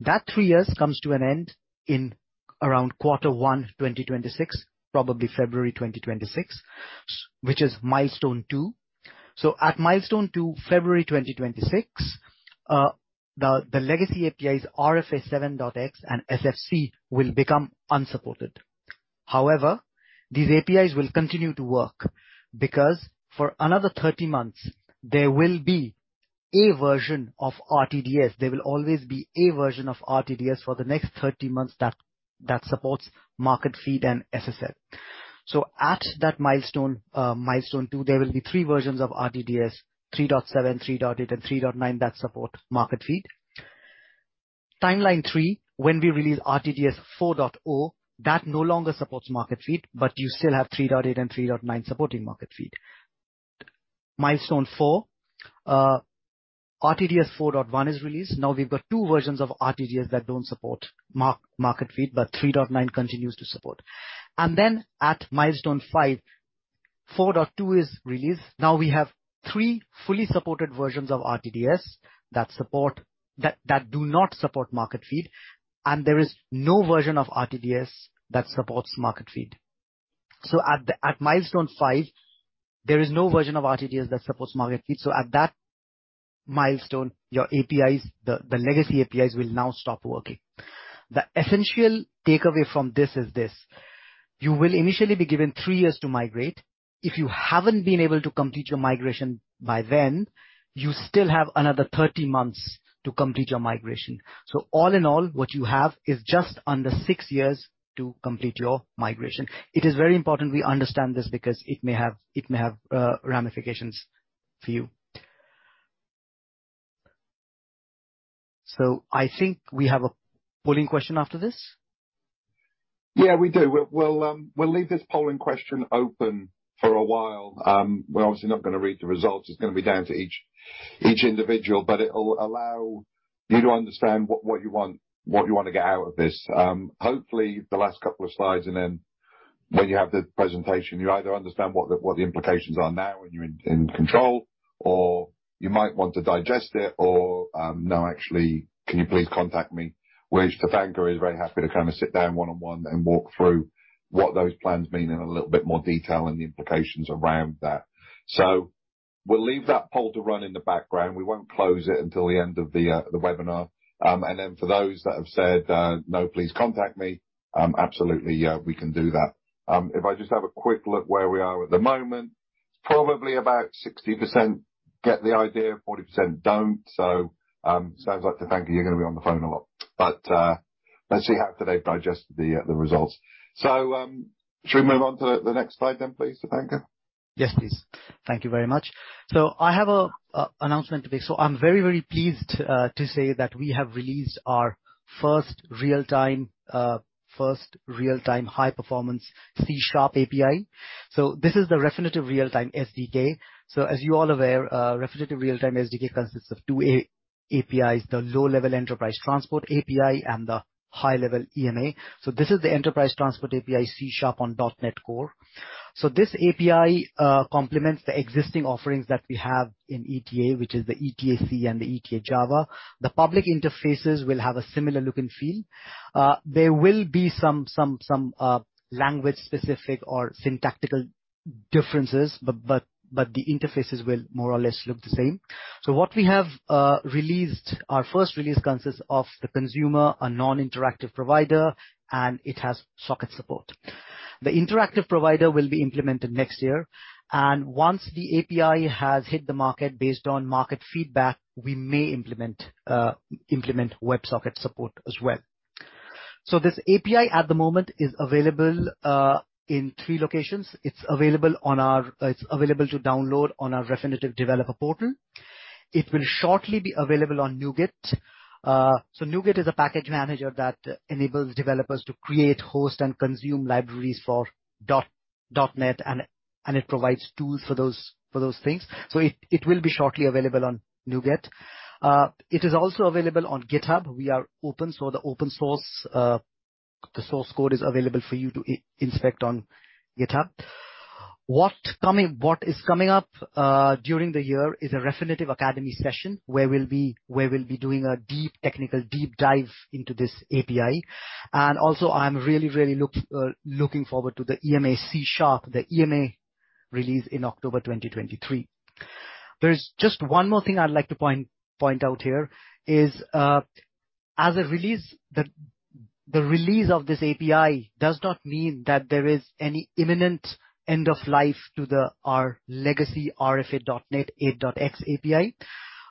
Speaker 7: That three years comes to an end in around Q1 2026, probably February 2026, which is milestone two. At milestone 2, February 2026, the legacy APIs, RFA 7.X and SFC will become unsupported. However, these APIs will continue to work because for another 30 months there will be a version of RTDS, there will always be a version of RTDS for the next 30 months that supports Marketfeed and SSL. At that milestone two, there will be three versions of RTDS, 3.7, 3.8, and 3.9 that support Marketfeed. Timeline three, when we release RTDS 4.0, that no longer supports Marketfeed. You still have 3.8 and 3.9 supporting Marketfeed. Milestone four, RTDS 4.1 is released. We've got two versions of RTDS that don't support Marketfeed. 3.9 continues to support. At milestone five, 4.2 is released. We have three fully supported versions of RTDS that do not support Marketfeed. There is no version of RTDS that supports Marketfeed. At milestone five, there is no version of RTDS that supports Marketfeed that milestone, your APIs, the legacy APIs will now stop working. The essential takeaway from this is this. You will initially be given three years to migrate. If you haven't been able to complete your migration by then, you still have another 30 months to complete your migration. All in all, what you have is just under six years to complete your migration. It is very important we understand this because it may have ramifications for you. I think we have a polling question after this.
Speaker 1: Yeah, we do. We'll leave this polling question open for a while. We're obviously not gonna read the results. It's gonna be down to each individual, but it'll allow you to understand what you want, what you wanna get out of this. Hopefully the last couple of slides and then when you have the presentation, you either understand what the implications are now and you're in control, or you might want to digest it or, no, actually, can you please contact me, which Tirthankar is very happy to kind of sit down one-on-one and walk through what those plans mean in a little bit more detail and the implications around that. We'll leave that poll to run in the background. We won't close it until the end of the webinar. For those that have said, "No, please contact me," absolutely, yeah, we can do that. If I just have a quick look where we are at the moment, probably about 60% get the idea, 40% don't. Sounds like, Tirthankar you're gonna be on the phone a lot. Let's see how today digested the results. Should we move on to the next slide then, please, Tirthankar?
Speaker 7: Yes, please. Thank you very much. I have a announcement to make. I'm very pleased to say that we have released our first real-time high-performance C# API. This is the Refinitiv Real-Time SDK. As you're all aware, Refinitiv Real-Time SDK consists of two APIs, the low-level enterprise transport API and the high-level EMA. This is the enterprise transport API C# on .NET Core. This API complements the existing offerings that we have in ETA, which is the ETAC and the ETA Java. The public interfaces will have a similar look and feel. There will be some language-specific or syntactical differences, but the interfaces will more or less look the same. What we have released our first release consists of the consumer and non-interactive provider, and it has socket support. The interactive provider will be implemented next year, and once the API has hit the market based on market feedback, we may implement WebSocket support as well. This API at the moment is available in three locations. It's available to download on our Refinitiv developer portal. It will shortly be available on NuGet. NuGet is a package manager that enables developers to create, host, and consume libraries for .NET, and it provides tools for those things. It will be shortly available on NuGet. It is also available on GitHub. We are open, so the open source, the source code is available for you to inspect on GitHub. What coming What is coming up during the year is a Refinitiv Academy session, where we'll be doing a deep technical deep dive into this API. I'm really looking forward to the EMA C#, the EMA release in October 2023. There is just one more thing I'd like to point out here is as a release. The release of this API does not mean that there is any imminent end of life to our legacy RFA.NET 8.X API.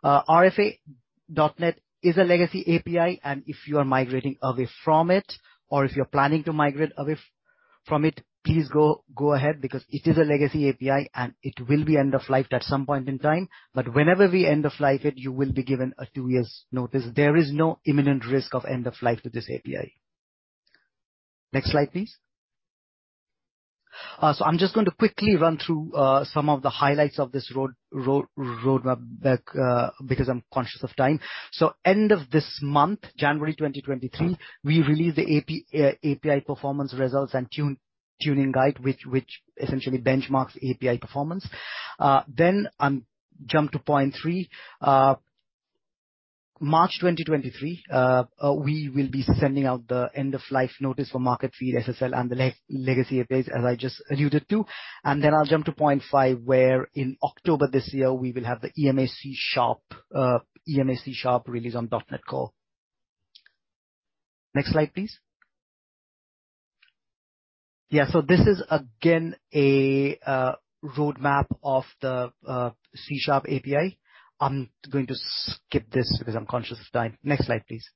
Speaker 7: RFA.NET is a legacy API, if you are migrating away from it or if you're planning to migrate away from it, please go ahead because it is a legacy API, it will be end of life at some point in time. Whenever we end of life it, you will be given a two years notice. There is no imminent risk of end of life to this API. Next slide, please. I'm just going to quickly run through some of the highlights of this roadmap back because I'm conscious of time. End of this month, January 2023, we release the API performance results and tuning guide, which essentially benchmarks API performance. I'll jump to point three. March 2023, we will be sending out the end of life notice for Marketfeed SSL and the legacy APIs, as I just alluded to. I'll jump to point five, where in October 2023, we will have the EMA C# release on .NET Core. Next slide, please. This is again a roadmap of the C# API. I'm going to skip this because I'm conscious of time. Next slide, please.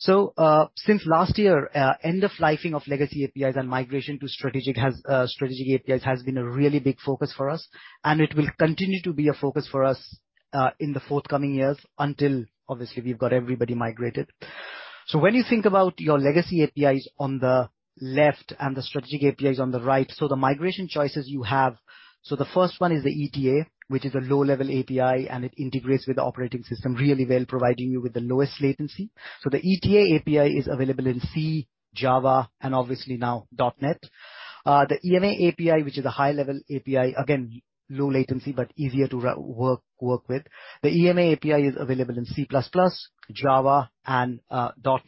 Speaker 7: Since last year, end of lifing of legacy APIs and migration to strategic APIs has been a really big focus for us, and it will continue to be a focus for us in the forthcoming years until obviously we've got everybody migrated. When you think about your legacy APIs on the left and the strategic APIs on the right, the migration choices you have... The first one is the ETA, which is a low-level API, and it integrates with the operating system really well, providing you with the lowest latency. The ETA API is available in C, Java, and obviously now .NET. The EMA API, which is a high-level API, again low latency, but easier to work with. The EMA API is available in C++, Java, and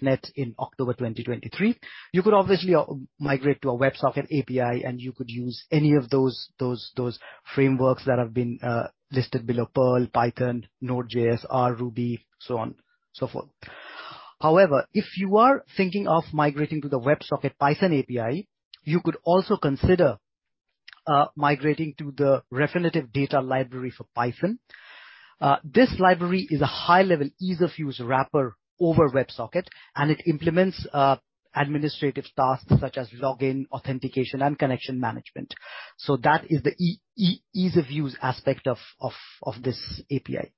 Speaker 7: .NET in October 2023. You could obviously migrate to a WebSocket API, and you could use any of those frameworks that have been listed below, Perl, Python, Node.js, R, Ruby, so on and so forth. If you are thinking of migrating to the WebSocket Python API, you could also consider migrating to the Refinitiv Data Library for Python. This library is a high-level ease of use wrapper over WebSocket, and it implements administrative tasks such as login, authentication, and connection management. That is the ease of use aspect of this API.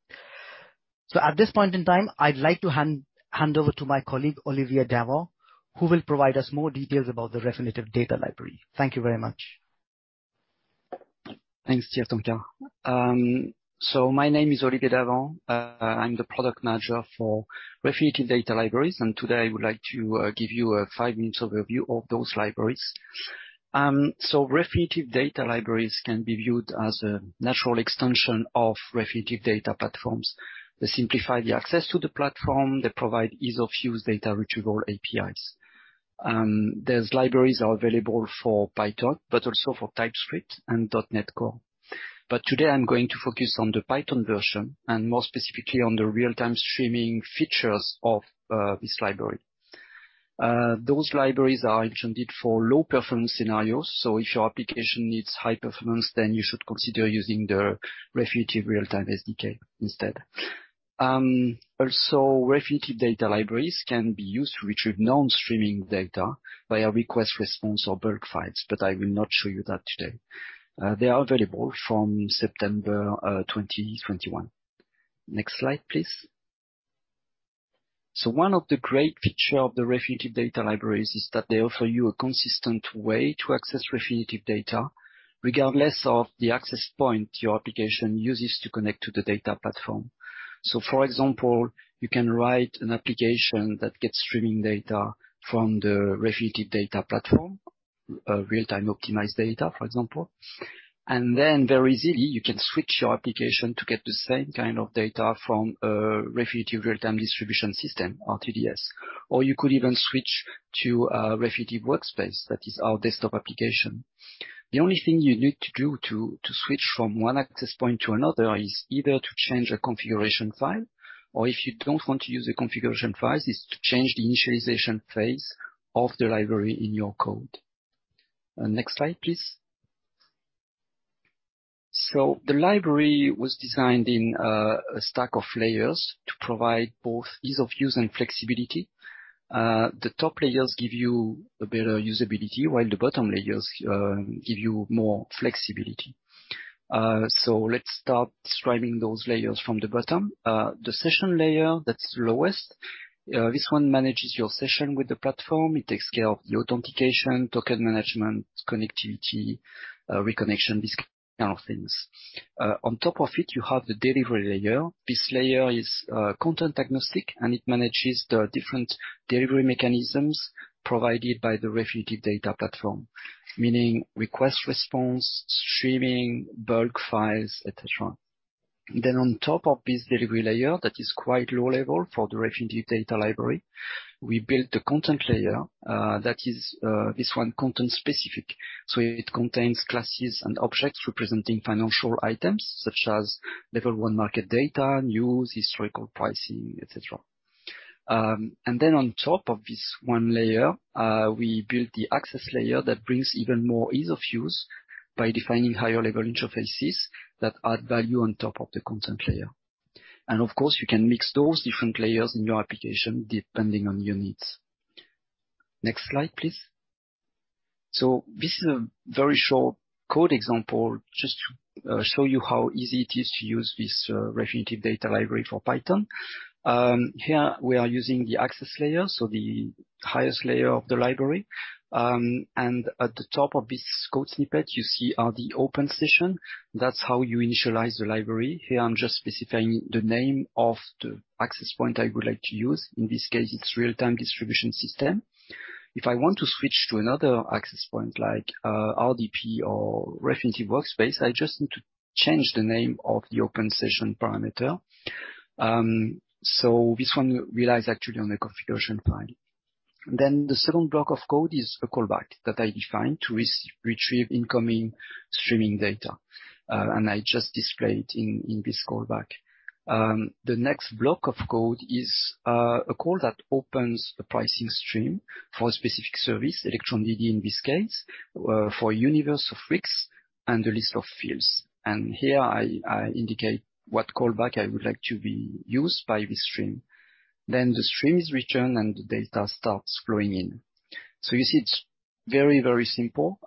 Speaker 7: At this point in time, I'd like to hand over to my colleague, Olivier Davant, who will provide us more details about the Refinitiv Data Library. Thank you very much.
Speaker 8: Thanks, Tirthankar. My name is Olivier Davant. I'm the product manager for Refinitiv Data Libraries. Today I would like to give you a five-minute overview of those libraries. Refinitiv Data Libraries can be viewed as a natural extension of Refinitiv Data Platform. They simplify the access to the platform. They provide ease of use data retrieval APIs. These libraries are available for Python but also for TypeScript and .NET Core. Today I'm going to focus on the Python version and more specifically on the real-time streaming features of this library. Those libraries are intended for low-performance scenarios. If your application needs high performance, you should consider using the Refinitiv Real-Time SDK instead. Also, Refinitiv Data Libraries can be used to retrieve non-streaming data via request response or bulk files. I will not show you that today. They are available from September 2021. Next slide, please. One of the great feature of the Refinitiv Data Libraries is that they offer you a consistent way to access Refinitiv data regardless of the access point your application uses to connect to the Refinitiv Data Platform. For example, you can write an application that gets streaming data from the Refinitiv Data Platform, Real-Time Optimized data, for example. Very easily, you can switch your application to get the same kind of data from a Refinitiv real-time distribution system, RTDS. You could even switch to a Refinitiv Workspace. That is our desktop application. The only thing you need to do to switch from one access point to another is either to change a configuration file or if you don't want to use the configuration files, is to change the initialization phase of the library in your code. Next slide please. The library was designed in a stack of layers to provide both ease of use and flexibility. The top layers give you a better usability, while the bottom layers give you more flexibility. Let's start describing those layers from the bottom. The session layer, that's lowest. This one manages your session with the platform. It takes care of the authentication, token management, connectivity, reconnection, these kind of things. On top of it, you have the delivery layer. This layer is content-agnostic, and it manages the different delivery mechanisms provided by the Refinitiv Data Platform, meaning request response, streaming, bulk files, et cetera. On top of this delivery layer, that is quite low level for the Refinitiv Data Library, we built the content layer. That is this one content specific. It contains classes and objects representing financial items such as level one market data, news, historical pricing, etc. On top of this one layer, we built the access layer that brings even more ease of use by defining higher level interfaces that add value on top of the content layer. Of course, you can mix those different layers in your application depending on your needs. Next slide, please. This is a very short code example just to show you how easy it is to use this Refinitiv Data Library for Python. Here we are using the access layer, so the highest layer of the library. And at the top of this code snippet you see are the open session. That's how you initialize the library. Here I'm just specifying the name of the access point I would like to use. In this case, it's Real-Time Distribution System. If I want to switch to another access point like RDP or Refinitiv Workspace, I just need to change the name of the open session parameter. This one relies actually on the configuration file. The second block of code is a callback that I define to retrieve incoming streaming data. I just display it in this callback. The next block of code is a call that opens a pricing stream for a specific service, Elektron DD in this case, for universe of RICs and the list of fields. Here I indicate what callback I would like to be used by this stream. The stream is returned, and the data starts flowing in. You see, it's very, very simple.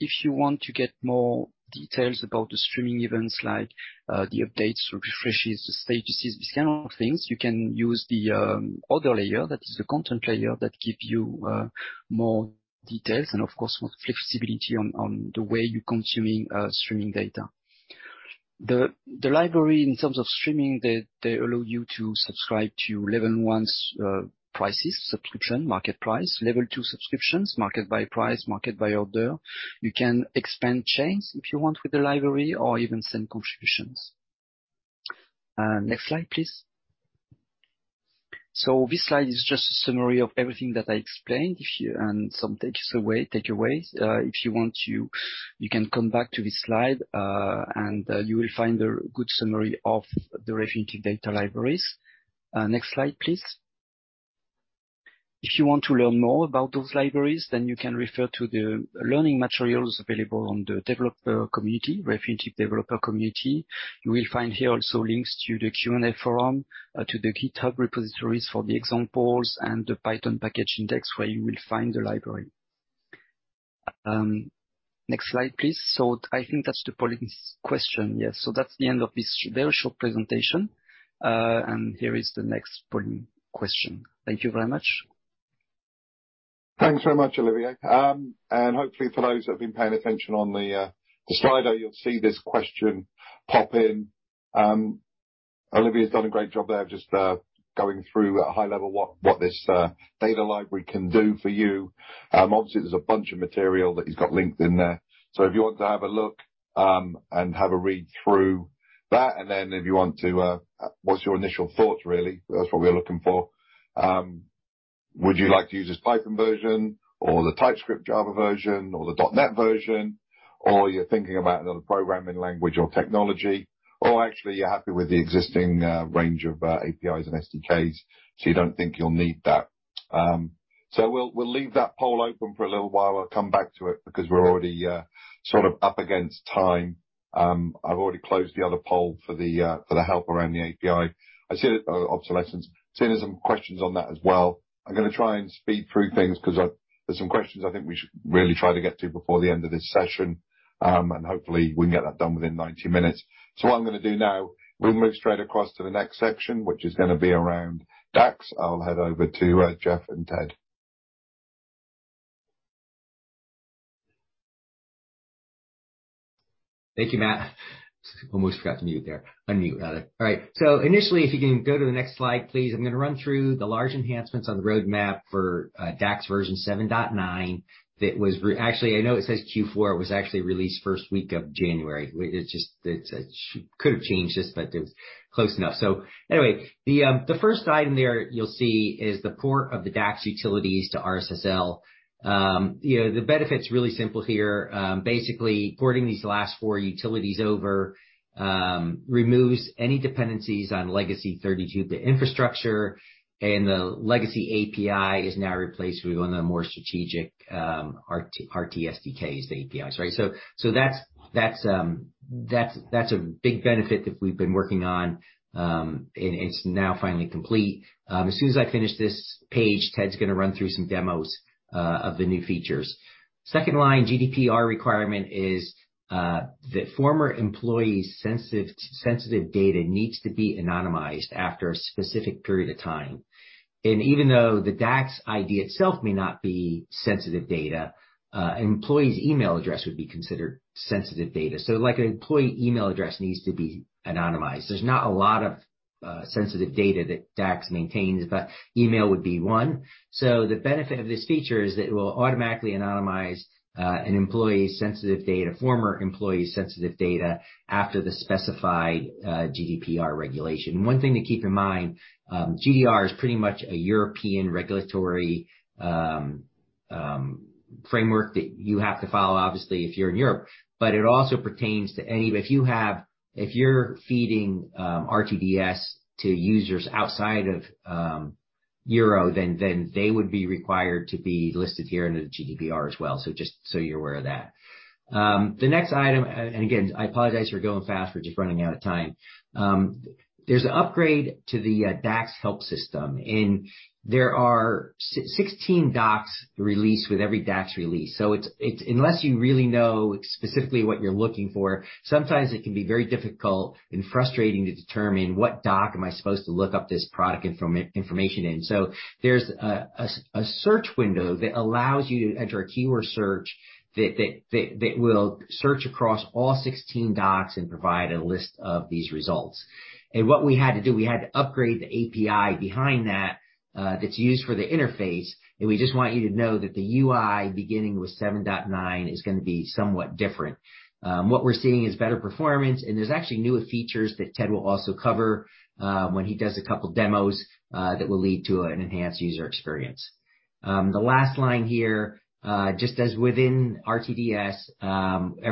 Speaker 8: If you want to get more details about the streaming events like the updates or refreshes, the statuses, these kind of things, you can use the other layer. That is the content layer that give you more details and of course, more flexibility on the way you're consuming streaming data. The library in terms of streaming, they allow you to subscribe to level one's prices, subscription, market price. Level two subscriptions, market by price, market by order. You can expand chains if you want with the library or even send contributions. Next slide please. This slide is just a summary of everything that I explained. Takeaways. If you want, you can come back to this slide, and you will find a good summary of the Refinitiv Data Libraries. Next slide please. If you want to learn more about those libraries, then you can refer to the learning materials available on the developer community, Refinitiv developer community. You will find here also links to the Q&A forum, to the GitHub repositories for the examples and the Python package index where you will find the library. Next slide please. I think that's the polling question. Yes. That's the end of this very short presentation. Here is the next polling question. Thank you very much.
Speaker 1: Thanks very much, Olivier. Hopefully for those that have been paying attention on the Slido, you'll see this question pop in. Olivier's done a great job there of just going through at a high level what this data library can do for you. Obviously there's a bunch of material that he's got linked in there. If you want to have a look and have a read through that, and then if you want to, what's your initial thoughts, really? That's what we're looking for. Would you like to use this Python version or the TypeScript Java version or the .NET version, or you're thinking about another programming language or technology? Or actually you're happy with the existing range of APIs and SDKs, so you don't think you'll need that. We'll leave that poll open for a little while. I'll come back to it because we're already sort of up against time. I've already closed the other poll for the help around the API. Obsolescence. Seen there's some questions on that as well. I'm gonna try and speed through things 'cause there's some questions I think we should really try to get to before the end of this session, hopefully we can get that done within 90 minutes. What I'm gonna do now, we'll move straight across to the next section, which is gonna be around DACS. I'll hand over to Jeff and Ted.
Speaker 2: Thank you, Matt. Almost forgot to mute there. Unmute. Got it. All right. Initially, if you can go to the next slide, please, I'm gonna run through the large enhancements on the roadmap for DACS version 7.9. That was actually, I know it says Q4. It was actually released first week of January. It just, she could have changed this, but it was close enough. Anyway, the first item there you'll see is the port of the DACS utilities to RSSL. You know, the benefit's really simple here. Basically, porting these last four utilities over removes any dependencies on legacy 32. The infrastructure and the legacy API is now replaced. We're going with the more strategic RT SDKs, the APIs, right? So that's a big benefit that we've been working on. It's now finally complete. As soon as I finish this page, Ted's gonna run through some demos of the new features. Second line, GDPR requirement is that former employees sensitive data needs to be anonymized after a specific period of time. Even though the DAX ID itself may not be sensitive data, an employee's email address would be considered sensitive data. Like, an employee email address needs to be anonymized. There's not a lot of sensitive data that DAX maintains, but email would be one. The benefit of this feature is that it will automatically anonymize an employee's sensitive data, former employee's sensitive data, after the specified GDPR regulation. One thing to keep in mind, GDPR is pretty much a European regulatory framework that you have to follow, obviously, if you're in Europe, but it also pertains to any of... If you're feeding, RTDS to users outside of Europe, then they would be required to be listed here under the GDPR as well. Just so you're aware of that. The next item, and again, I apologize for going fast. We're just running out of time. There's an upgrade to the DACS help system, and there are 16 docs released with every DACS release. It's unless you really know specifically what you're looking for, sometimes it can be very difficult and frustrating to determine what doc am I supposed to look up this product information in. There's a search window that allows you to enter a keyword search that will search across all 16 docs and provide a list of these results. What we had to do, we had to upgrade the API behind that that's used for the interface, and we just want you to know that the UI beginning with 7.9 is gonna be somewhat different. What we're seeing is better performance, and there's actually newer features that Ted will also cover when he does a couple demos that will lead to an enhanced user experience. The last line here, just as within RTDS,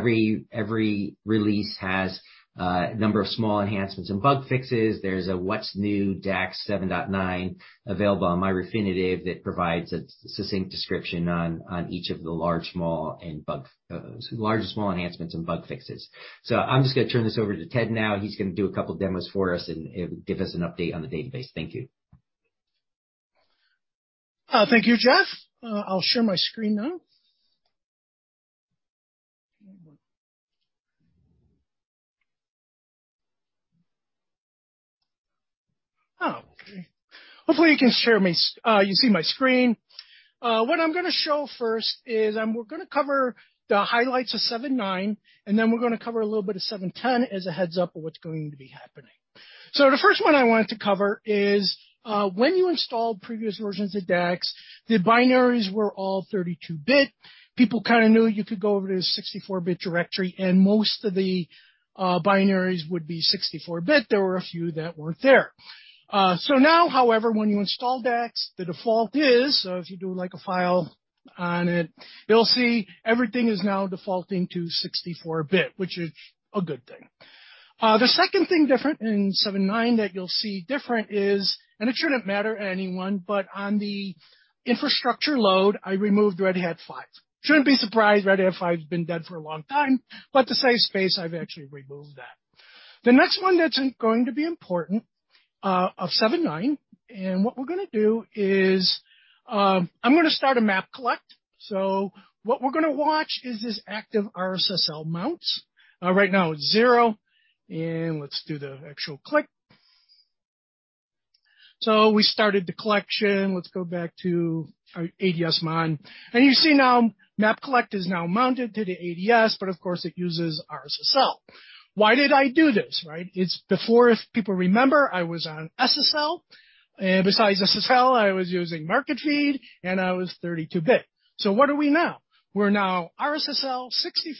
Speaker 2: every release has a number of small enhancements and bug fixes. There's a What's New DACS 7.9 available on My Refinitiv that provides a succinct description on each of the large and small enhancements and bug fixes. I'm just gonna turn this over to Ted now. He's gonna do a couple demos for us and give us an update on the database. Thank you.
Speaker 9: Thank you, Jeff. I'll share my screen now. Hopefully you can see my screen. What I'm going to show first is we're going to cover the highlights of 7.9, and then we're going to cover a little bit of 7.10 as a heads-up of what's going to be happening. The first one I wanted to cover is when you installed previous versions of DACS, the binaries were all 32-bit. People kind of knew you could go over to the 64-bit directory, and most of the binaries would be 64-bit. There were a few that weren't there. Now, however, when you install DACS, the default is, if you do, like, a file on it, you'll see everything is now defaulting to 64-bit, which is a good thing. The second thing different in 7.9 that you'll see different is, and it shouldn't matter to anyone, but on the infrastructure load, I removed Red Hat 5. Shouldn't be surprised, Red Hat 5 has been dead for a long time, but to save space, I've actually removed that. The next one that's going to be important of 7.9, and what we're gonna do is, I'm gonna start a Map Collect. What we're gonna watch is this active RSSL mounts. Right now it's 0, and let's do the actual click. We started the collection. Let's go back to our adsmon. You see now Map Collect is now mounted to the ADS, but of course it uses RSSL. Why did I do this, right? It's before, if people remember, I was on SSL, and besides SSL, I was using Marketfeed, and I was 32-bit. What are we now? We're now RSSL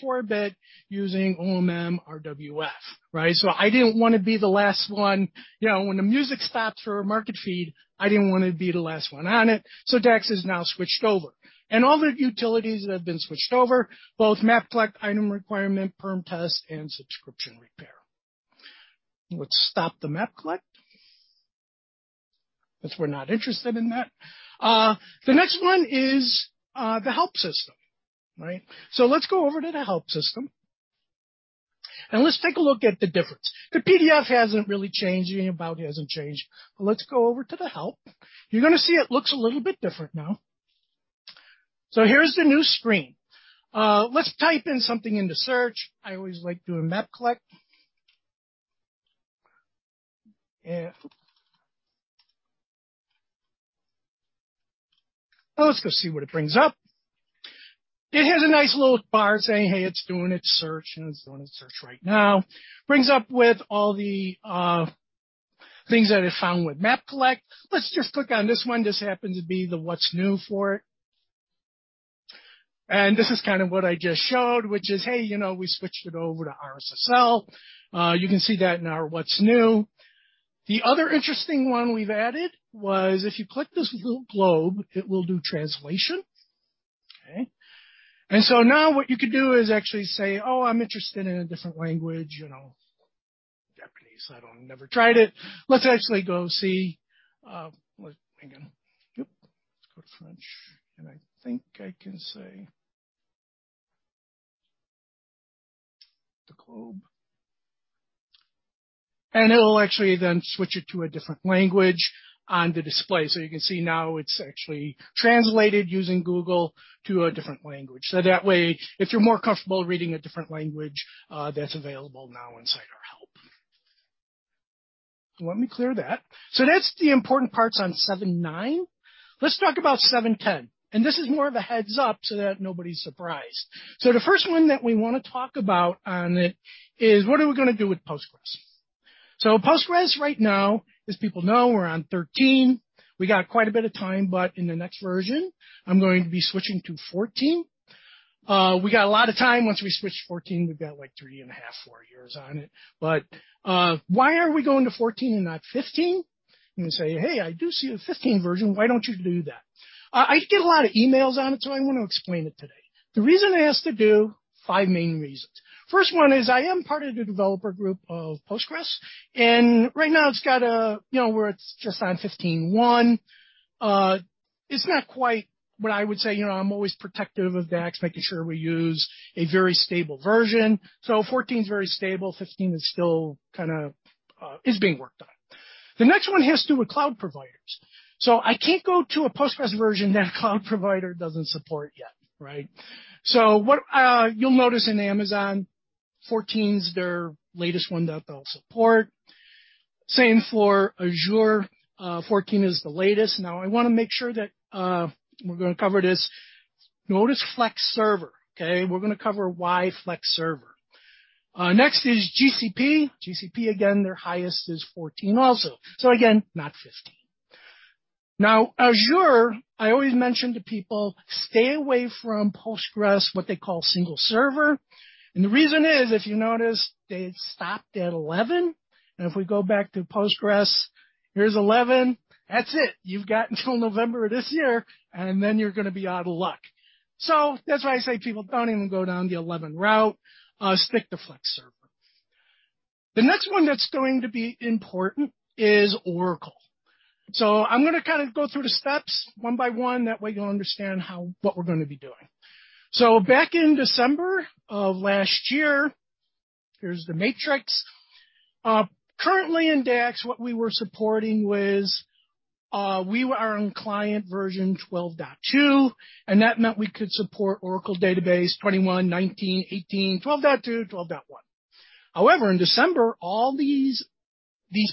Speaker 9: 64-bit using OMM RWF, right? I didn't wanna be the last one. You know, when the music stops for Marketfeed, I didn't wanna be the last one on it. DACS is now switched over. All the utilities that have been switched over, both Map Collect, Item Requirement, Perm Test, and Subscription Repair. Let's stop the Map Collect. That's we're not interested in that. The next one is the help system, right? Let's go over to the help system and let's take a look at the difference. The PDF hasn't really changed. Anything about it hasn't changed. Let's go over to the help. You're gonna see it looks a little bit different now. Here's the new screen. Let's type in something into search. I always like doing Map Collect. Let's go see what it brings up. It has a nice little bar saying, hey, it's doing its search, and it's doing its search right now. Brings up with all the things that it found with Map Collect. Let's just click on this one. This happens to be the what's new for it. This is kind of what I just showed, which is, hey, you know, we switched it over to RSSL. You can see that in our what's new. The other interesting one we've added was if you click this little globe, it will do translation. Okay? Now what you could do is actually say, oh, I'm interested in a different language, you know, Japanese. Never tried it. Let's actually go see. Hang on. Yep, let's go to French. I think I can say the globe. It'll actually then switch it to a different language on the display. You can see now it's actually translated using Google to a different language. That way, if you're more comfortable reading a different language, that's available now inside our help. Let me clear that. That's the important parts on 7.9. Let's talk about 7.10. This is more of a heads up so that nobody's surprised. The first one that we wanna talk about on it is what are we gonna do with Postgres? Postgres right now, as people know, we're on 13. We got quite a bit of time, but in the next version I'm going to be switching to 14. We got a lot of time. Once we switch to 14, we've got, like, three and a half, 4 years on it. Why are we going to 14 and not 15? You may say, "Hey, I do see a 15 version. Why don't you do that?" I get a lot of emails on it, so I want to explain it today. The reason it has to do, five main reasons. First one is I am part of the developer group of Postgres, and right now it's got a, you know, where it's just on 15.1. It's not quite what I would say. You know, I'm always protective of DACS, making sure we use a very stable version. 14's very stable. 15 is still kinda is being worked on. The next one has to do with cloud providers. I can't go to a Postgres version that a cloud provider doesn't support yet, right? What you'll notice in Amazon, 14's their latest one that they'll support. Same for Azure, 14 is the latest. I wanna make sure that we're going to cover this. Notice Flex Server. Okay? We're gonna cover why Flex Server. Next is GCP. GCP, again, their highest is 14 also. Again, not 15. Azure, I always mention to people, stay away from Postgres, what they call single server. The reason is, if you notice, they stopped at 11. If we go back to Postgres, here's 11. That's it. You've got until November of this year and then you're gonna be out of luck. That's why I say, people, don't even go down the 11 route. Stick to Flex Server. The next one that's going to be important is Oracle. I'm going to kind of go through the steps one by one, that way you'll understand how, what we're going to be doing. Back in December of last year, here's the matrix. Currently in DACS, what we were supporting was, we were on client version 12.2, and that meant we could support Oracle database 21, 19, 18, 12.2, 12.1. However, in December, all these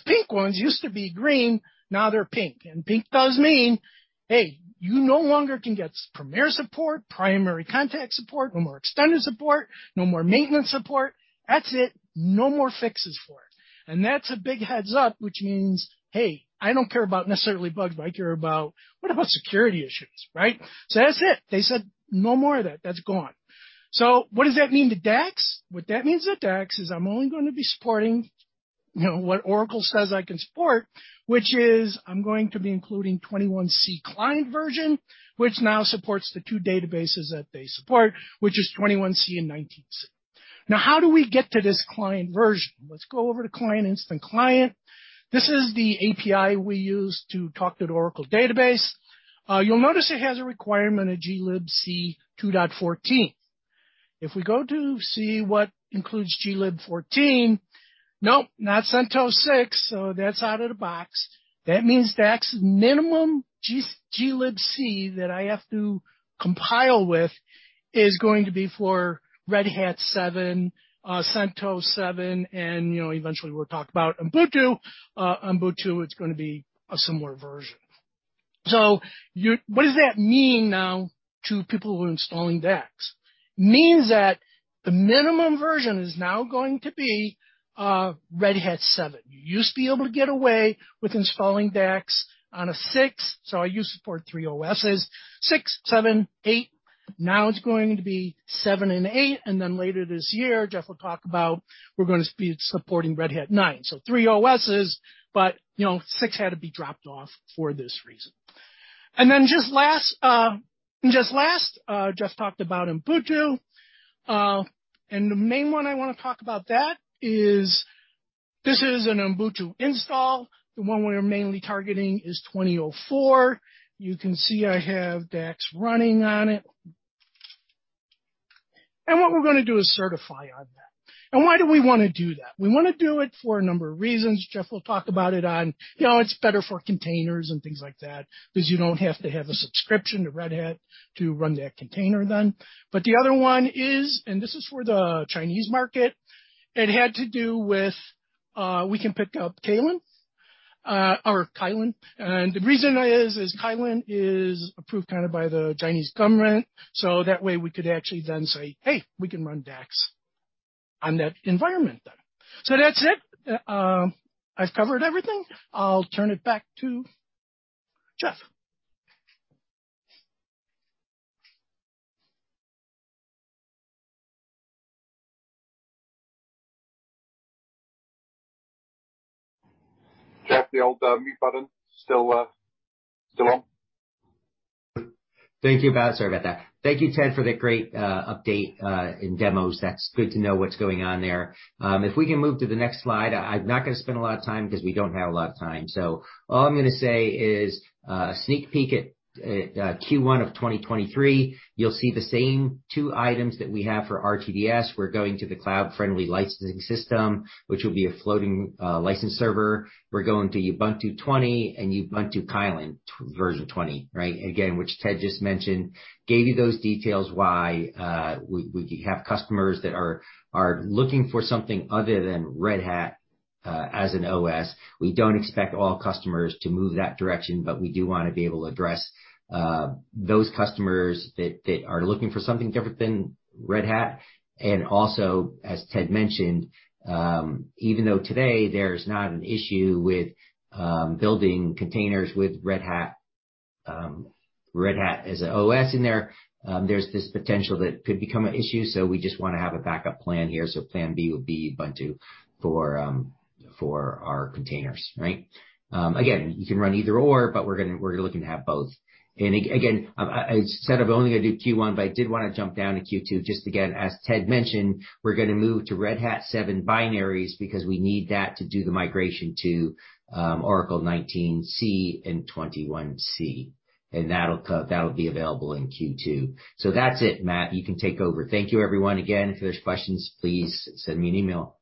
Speaker 9: pink ones used to be green, now they're pink. Pink does mean, hey, you no longer can get premier support, primary contact support, no more extended support, no more maintenance support. That's it. No more fixes for it. That's a big heads up, which means, hey, I don't care about necessarily bugs, but I care about what about security issues, right? That's it. They said no more of that. That's gone. What does that mean to DACS? What that means to DACS is I'm only gonna be supporting, you know, what Oracle says I can support, which is I'm going to be including 21c client version, which now supports the two databases that they support, which is 21c and 19c. How do we get to this client version? Let's go over to Client, Instant Client. This is the API we use to talk to the Oracle database. You'll notice it has a requirement of glibc 2.14. If we go to see what includes glibc 14, nope, not CentOS 6, so that's out of the box. That means that's minimum glibc that I have to compile with is going to be for Red Hat 7, CentOS 7 and, you know, eventually we'll talk about Ubuntu. Ubuntu, it's gonna be a similar version. What does that mean now to people who are installing DACS? Means that the minimum version is now going to be Red Hat 7. You used to be able to get away with installing DACS on a six, so I used to support three OSs, six, seven, eight. Now it's going to be seven and eight, and then later this year, Jeff will talk about we're gonna be supporting Red Hat 9. Three OSs, but, you know, six had to be dropped off for this reason. Just last, Jeff talked about Ubuntu. The main one I wanna talk about that is this is an Ubuntu install. The one we're mainly targeting is 2004. You can see I have DACS running on it. What we're gonna do is certify on that. Why do we wanna do that? We wanna do it for a number of reasons. Jeff will talk about it on, you know, it's better for containers and things like that, 'cause you don't have to have a subscription to Red Hat to run that container then. The other one is, and this is for the Chinese market, it had to do with, we can pick up Kylin, or Kylin. The reason is Kylin Cloud is approved kind of by the Chinese government, so that way we could actually then say, "Hey, we can run DACS on that environment then." That's it. I've covered everything. I'll turn it back to Jeff.
Speaker 1: Jeff, the old, mute button still on.
Speaker 2: Thank you, Matt. Sorry about that. Thank you, Ted, for the great update and demos. That's good to know what's going on there. If we can move to the next slide, I'm not gonna spend a lot of time because we don't have a lot of time. All I'm gonna say is sneak peek at Q1 of 2023, you'll see the same two items that we have for RTDS. We're going to the cloud-friendly licensing system, which will be a floating license server. We're going to Ubuntu 20 and Ubuntu Kylin version 20, right? Again, which Ted just mentioned, gave you those details why we have customers that are looking for something other than Red Hat as an OS. We don't expect all customers to move that direction. We do wanna be able to address those customers that are looking for something different than Red Hat. Also, as Ted mentioned, even though today there's not an issue with building containers with Red Hat, Red Hat as a OS in there's this potential that could become an issue. We just wanna have a backup plan here. Plan B would be Ubuntu for our containers, right? Again, you can run either or, but we're looking to have both. Again, I said I'm only gonna do Q1, but I did wanna jump down to Q2 just again, as Ted mentioned, we're gonna move to Red Hat 7 binaries because we need that to do the migration to Oracle 19C and 21C, and that'll be available in Q2. That's it. Matt, you can take over. Thank you everyone. Again, if there's questions, please send me an email.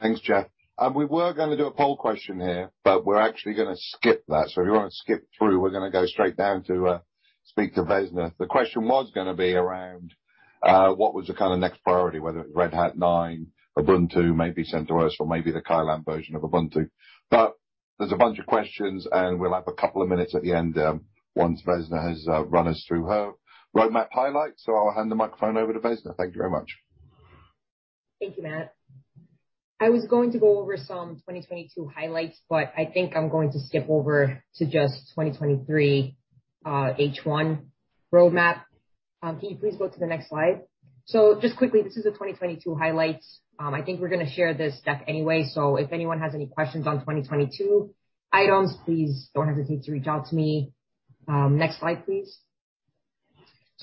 Speaker 1: Thanks, Jeff. We were gonna do a poll question here, but we're actually gonna skip that. If you wanna skip through, we're gonna go straight down to speak to Vesna. The question was gonna be around what was the kinda next priority, whether Red Hat 9, Ubuntu, maybe CentOS or maybe the Kylin version of Ubuntu. There's a bunch of questions, and we'll have a couple of minutes at the end once Vesna has run us through her roadmap highlights. I'll hand the microphone over to Vesna. Thank you very much.
Speaker 9: Thank you, Matt. I was going to go over some 2022 highlights, but I think I'm going to skip over to just 2023 H1 roadmap. Can you please go to the next slide? Just quickly, this is the 2022 highlights. I think we're gonna share this deck anyway, so if anyone has any questions on 2022 items, please don't hesitate to reach out to me. Next slide, please.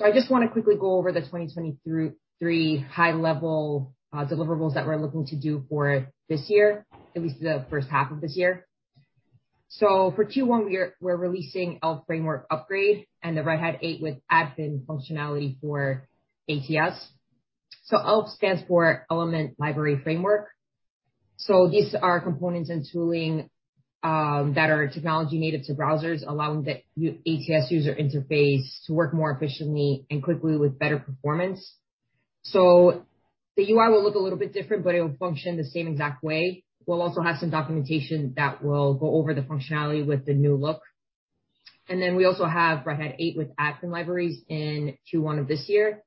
Speaker 9: I just wanna quickly go over the 2023 high level deliverables that we're looking to do for this year, at least the first half of this year. For Q1 we're releasing ELF framework upgrade and the Red Hat 8 with admin functionality for ATS. ELF stands for Element Library Framework. These are components and tooling that are technology native to browsers, allowing the ATS user interface to work more efficiently and quickly with better performance. The UI will look a little bit different, but it will function the same exact way. We'll also have some documentation that will go over the functionality with the new look. We also have Red Hat 8 with admin libraries in Q1 of this year,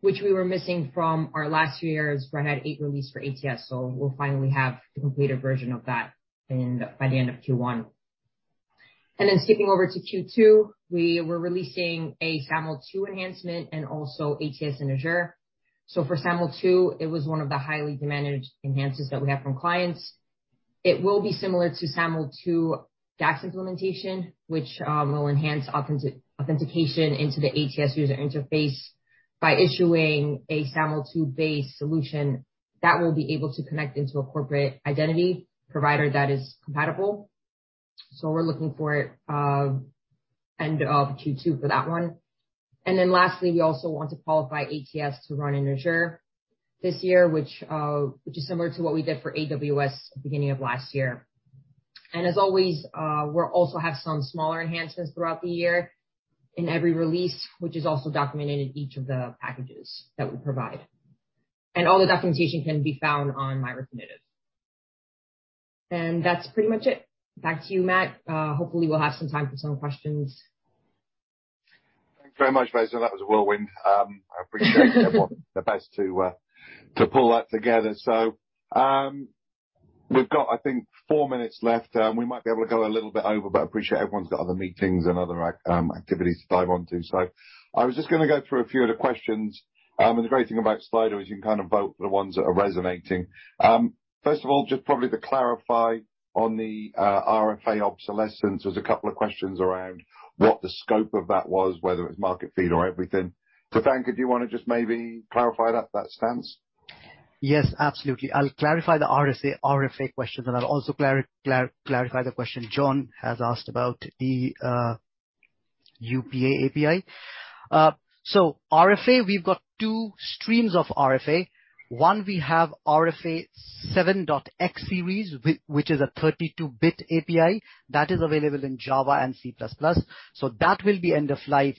Speaker 9: which we were missing from our last year's Red Hat 8 release for ATS. We'll finally have the completed version of that by the end of Q1. Skipping over to Q2, we were releasing a SAML 2 enhancement and also ATS in Azure. For SAML 2, it was one of the highly demanded enhances that we have from clients. It will be similar to SAML 2.0 DACS implementation, which will enhance authentication into the ATS user interface by issuing a SAML 2.0-based solution that will be able to connect into a corporate identity provider that is compatible. We're looking for end of Q2 for that one. Lastly, we also want to qualify ATS to run in Azure this year, which is similar to what we did for AWS at the beginning of last year. As always, we'll also have some smaller enhancements throughout the year in every release, which is also documented in each of the packages that we provide. All the documentation can be found on My Refinitiv. That's pretty much it. Back to you, Matt. Hopefully, we'll have some time for some questions.
Speaker 1: Thanks very much, Vesna. That was a whirlwind. I appreciate the best to pull that together. We've got, I think, four minutes left. We might be able to go a little bit over, but I appreciate everyone's got other meetings and other activities to dive onto. I was just gonna go through a few of the questions. The great thing about Slido is you can kind of vote for the ones that are resonating. First of all, just probably to clarify on the RFA obsolescence, there's a couple of questions around what the scope of that was, whether it's Marketfeed or everything. Tirthankar do you wanna just maybe clarify that stance?
Speaker 7: Yes, absolutely. I'll clarify the RSA-RFA question, and I'll also clarify the question John has asked about the UPA API. RFA, we've got two streams of RFA. One, we have RFA 7.X series, which is a 32-bit API that is available in Java and C++. That will be end of life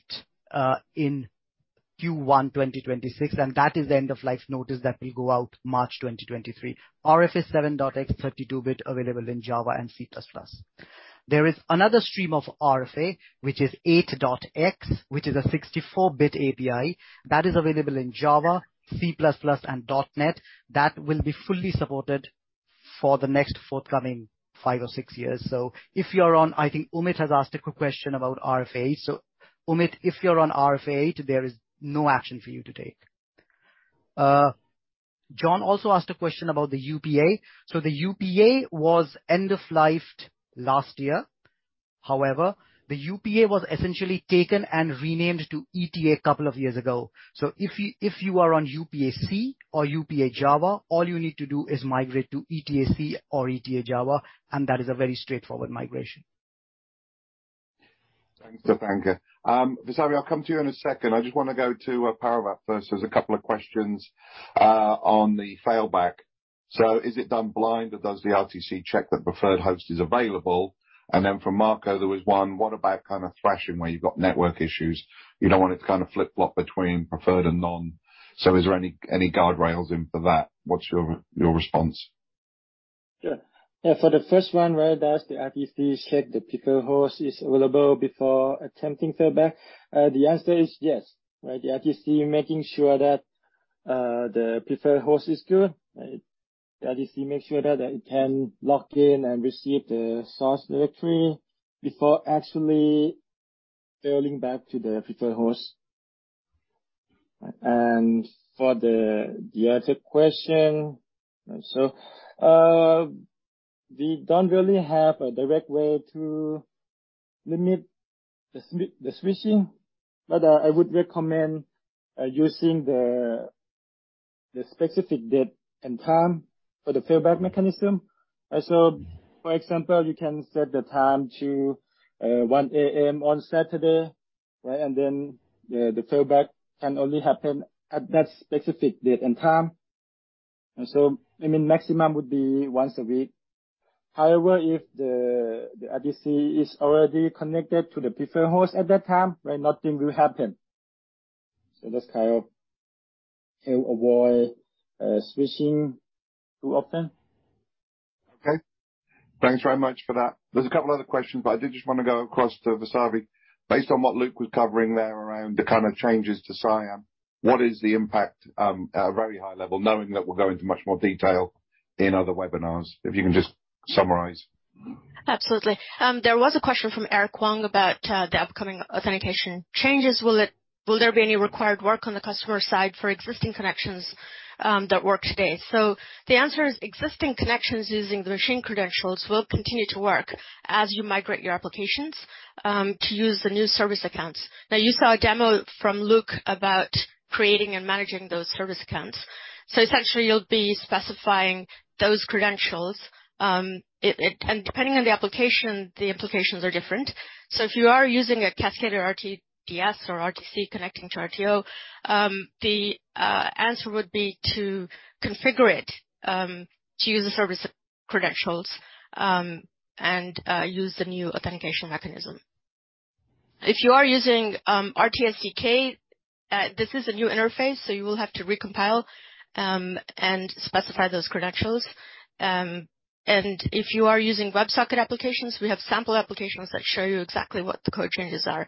Speaker 7: in Q1 2026, and that is the end of life notice that will go out March 2023. RFA 7.X 32-bit available in Java and C++. There is another stream of RFA, which is 8.X, which is a 64-bit API that is available in Java, C++, and .NET, that will be fully supported for the next forthcoming five or six years. If you're on... I think Umit has asked a question about RFA. Umit, if you're on RFA, there is no action for you to take. John also asked a question about the UPA. The UPA was end of lifed last year. However, the UPA was essentially taken and renamed to ETA a couple of years ago. If you are on UPA-C or UPA Java, all you need to do is migrate to ETA-C or ETA Java, and that is a very straightforward migration.
Speaker 1: Thanks, Tirthankar. Vasavi, I'll come to you in a second. I just wanna go to Parivat first. There's two questions on the failback. Is it done blind or does the RTC check that preferred host is available? From Marco there was one, what about kind of thrashing where you've got network issues? You don't want it to kind of flip-flop between preferred and non. Is there any guardrails in for that? What's your response?
Speaker 3: Sure. Yeah, for the first one, right, does the RTC check the preferred host is available before attempting failback? The answer is yes. Right, the RTC making sure that the preferred host is good. The RTC makes sure that it can log in and receive the source directory before actually failing back to the preferred host. For the other question, we don't really have a direct way to limit the switching, but I would recommend using the specific date and time for the failback mechanism. For example, you can set the time to 1:00 A.M. on Saturday, right? Then the failback can only happen at that specific date and time. I mean, maximum would be once a week. If the RTC is already connected to the preferred host at that time, right, nothing will happen. That's kind of to avoid switching too often.
Speaker 1: Okay. Thanks very much for that. There's a couple other questions. I did just want to go across to Vasavi. Based on what Luke was covering there around the kind of changes to CIAM, what is the impact at a very high level, knowing that we'll go into much more detail in other webinars? If you can just summarize.
Speaker 10: Absolutely. There was a question from Eric Wong about the upcoming authentication changes. Will there be any required work on the customer side for existing connections that work today? The answer is, existing connections using the machine credentials will continue to work as you migrate your applications to use the new service accounts. You saw a demo from Luke about creating and managing those service accounts. Essentially you'll be specifying those credentials. Depending on the application, the implications are different. If you are using a Cascade or RTDS or RTC connecting to RTO, the answer would be to configure it to use the service credentials and use the new authentication mechanism. If you are using RTSDK, this is a new interface, so you will have to recompile and specify those credentials. If you are using WebSocket applications, we have sample applications that show you exactly what the code changes are.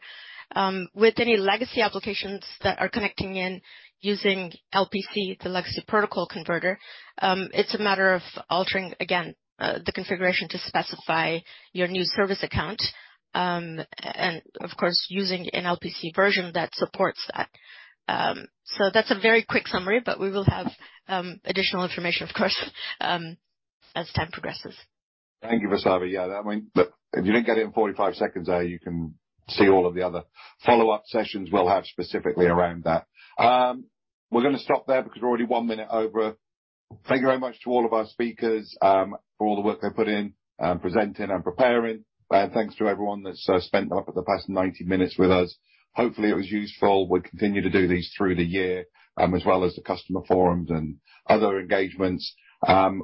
Speaker 10: With any legacy applications that are connecting in using LPC, the Legacy Protocol Converter, it's a matter of altering, again, the configuration to specify your new service account, and of course, using an LPC version that supports that. That's a very quick summary, but we will have additional information, of course, as time progresses.
Speaker 1: Thank you, Vasavi. Yeah, that went... Look, if you didn't get it in 45 seconds there, you can see all of the other follow-up sessions we'll have specifically around that. We're gonna stop there because we're already 1 minute over. Thank you very much to all of our speakers, for all the work they've put in, presenting and preparing. Thanks to everyone that's spent the past 90 minutes with us. Hopefully it was useful. We'll continue to do these through the year, as well as the customer forums and other engagements.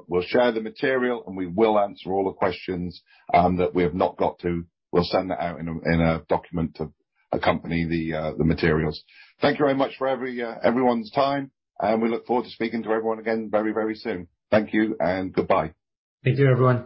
Speaker 1: We'll share the material and we will answer all the questions that we have not got to. We'll send that out in a, in a document to accompany the materials. Thank you very much for everyone's time, and we look forward to speaking to everyone again very soon. Thank you and goodbye.
Speaker 9: Thank you, everyone.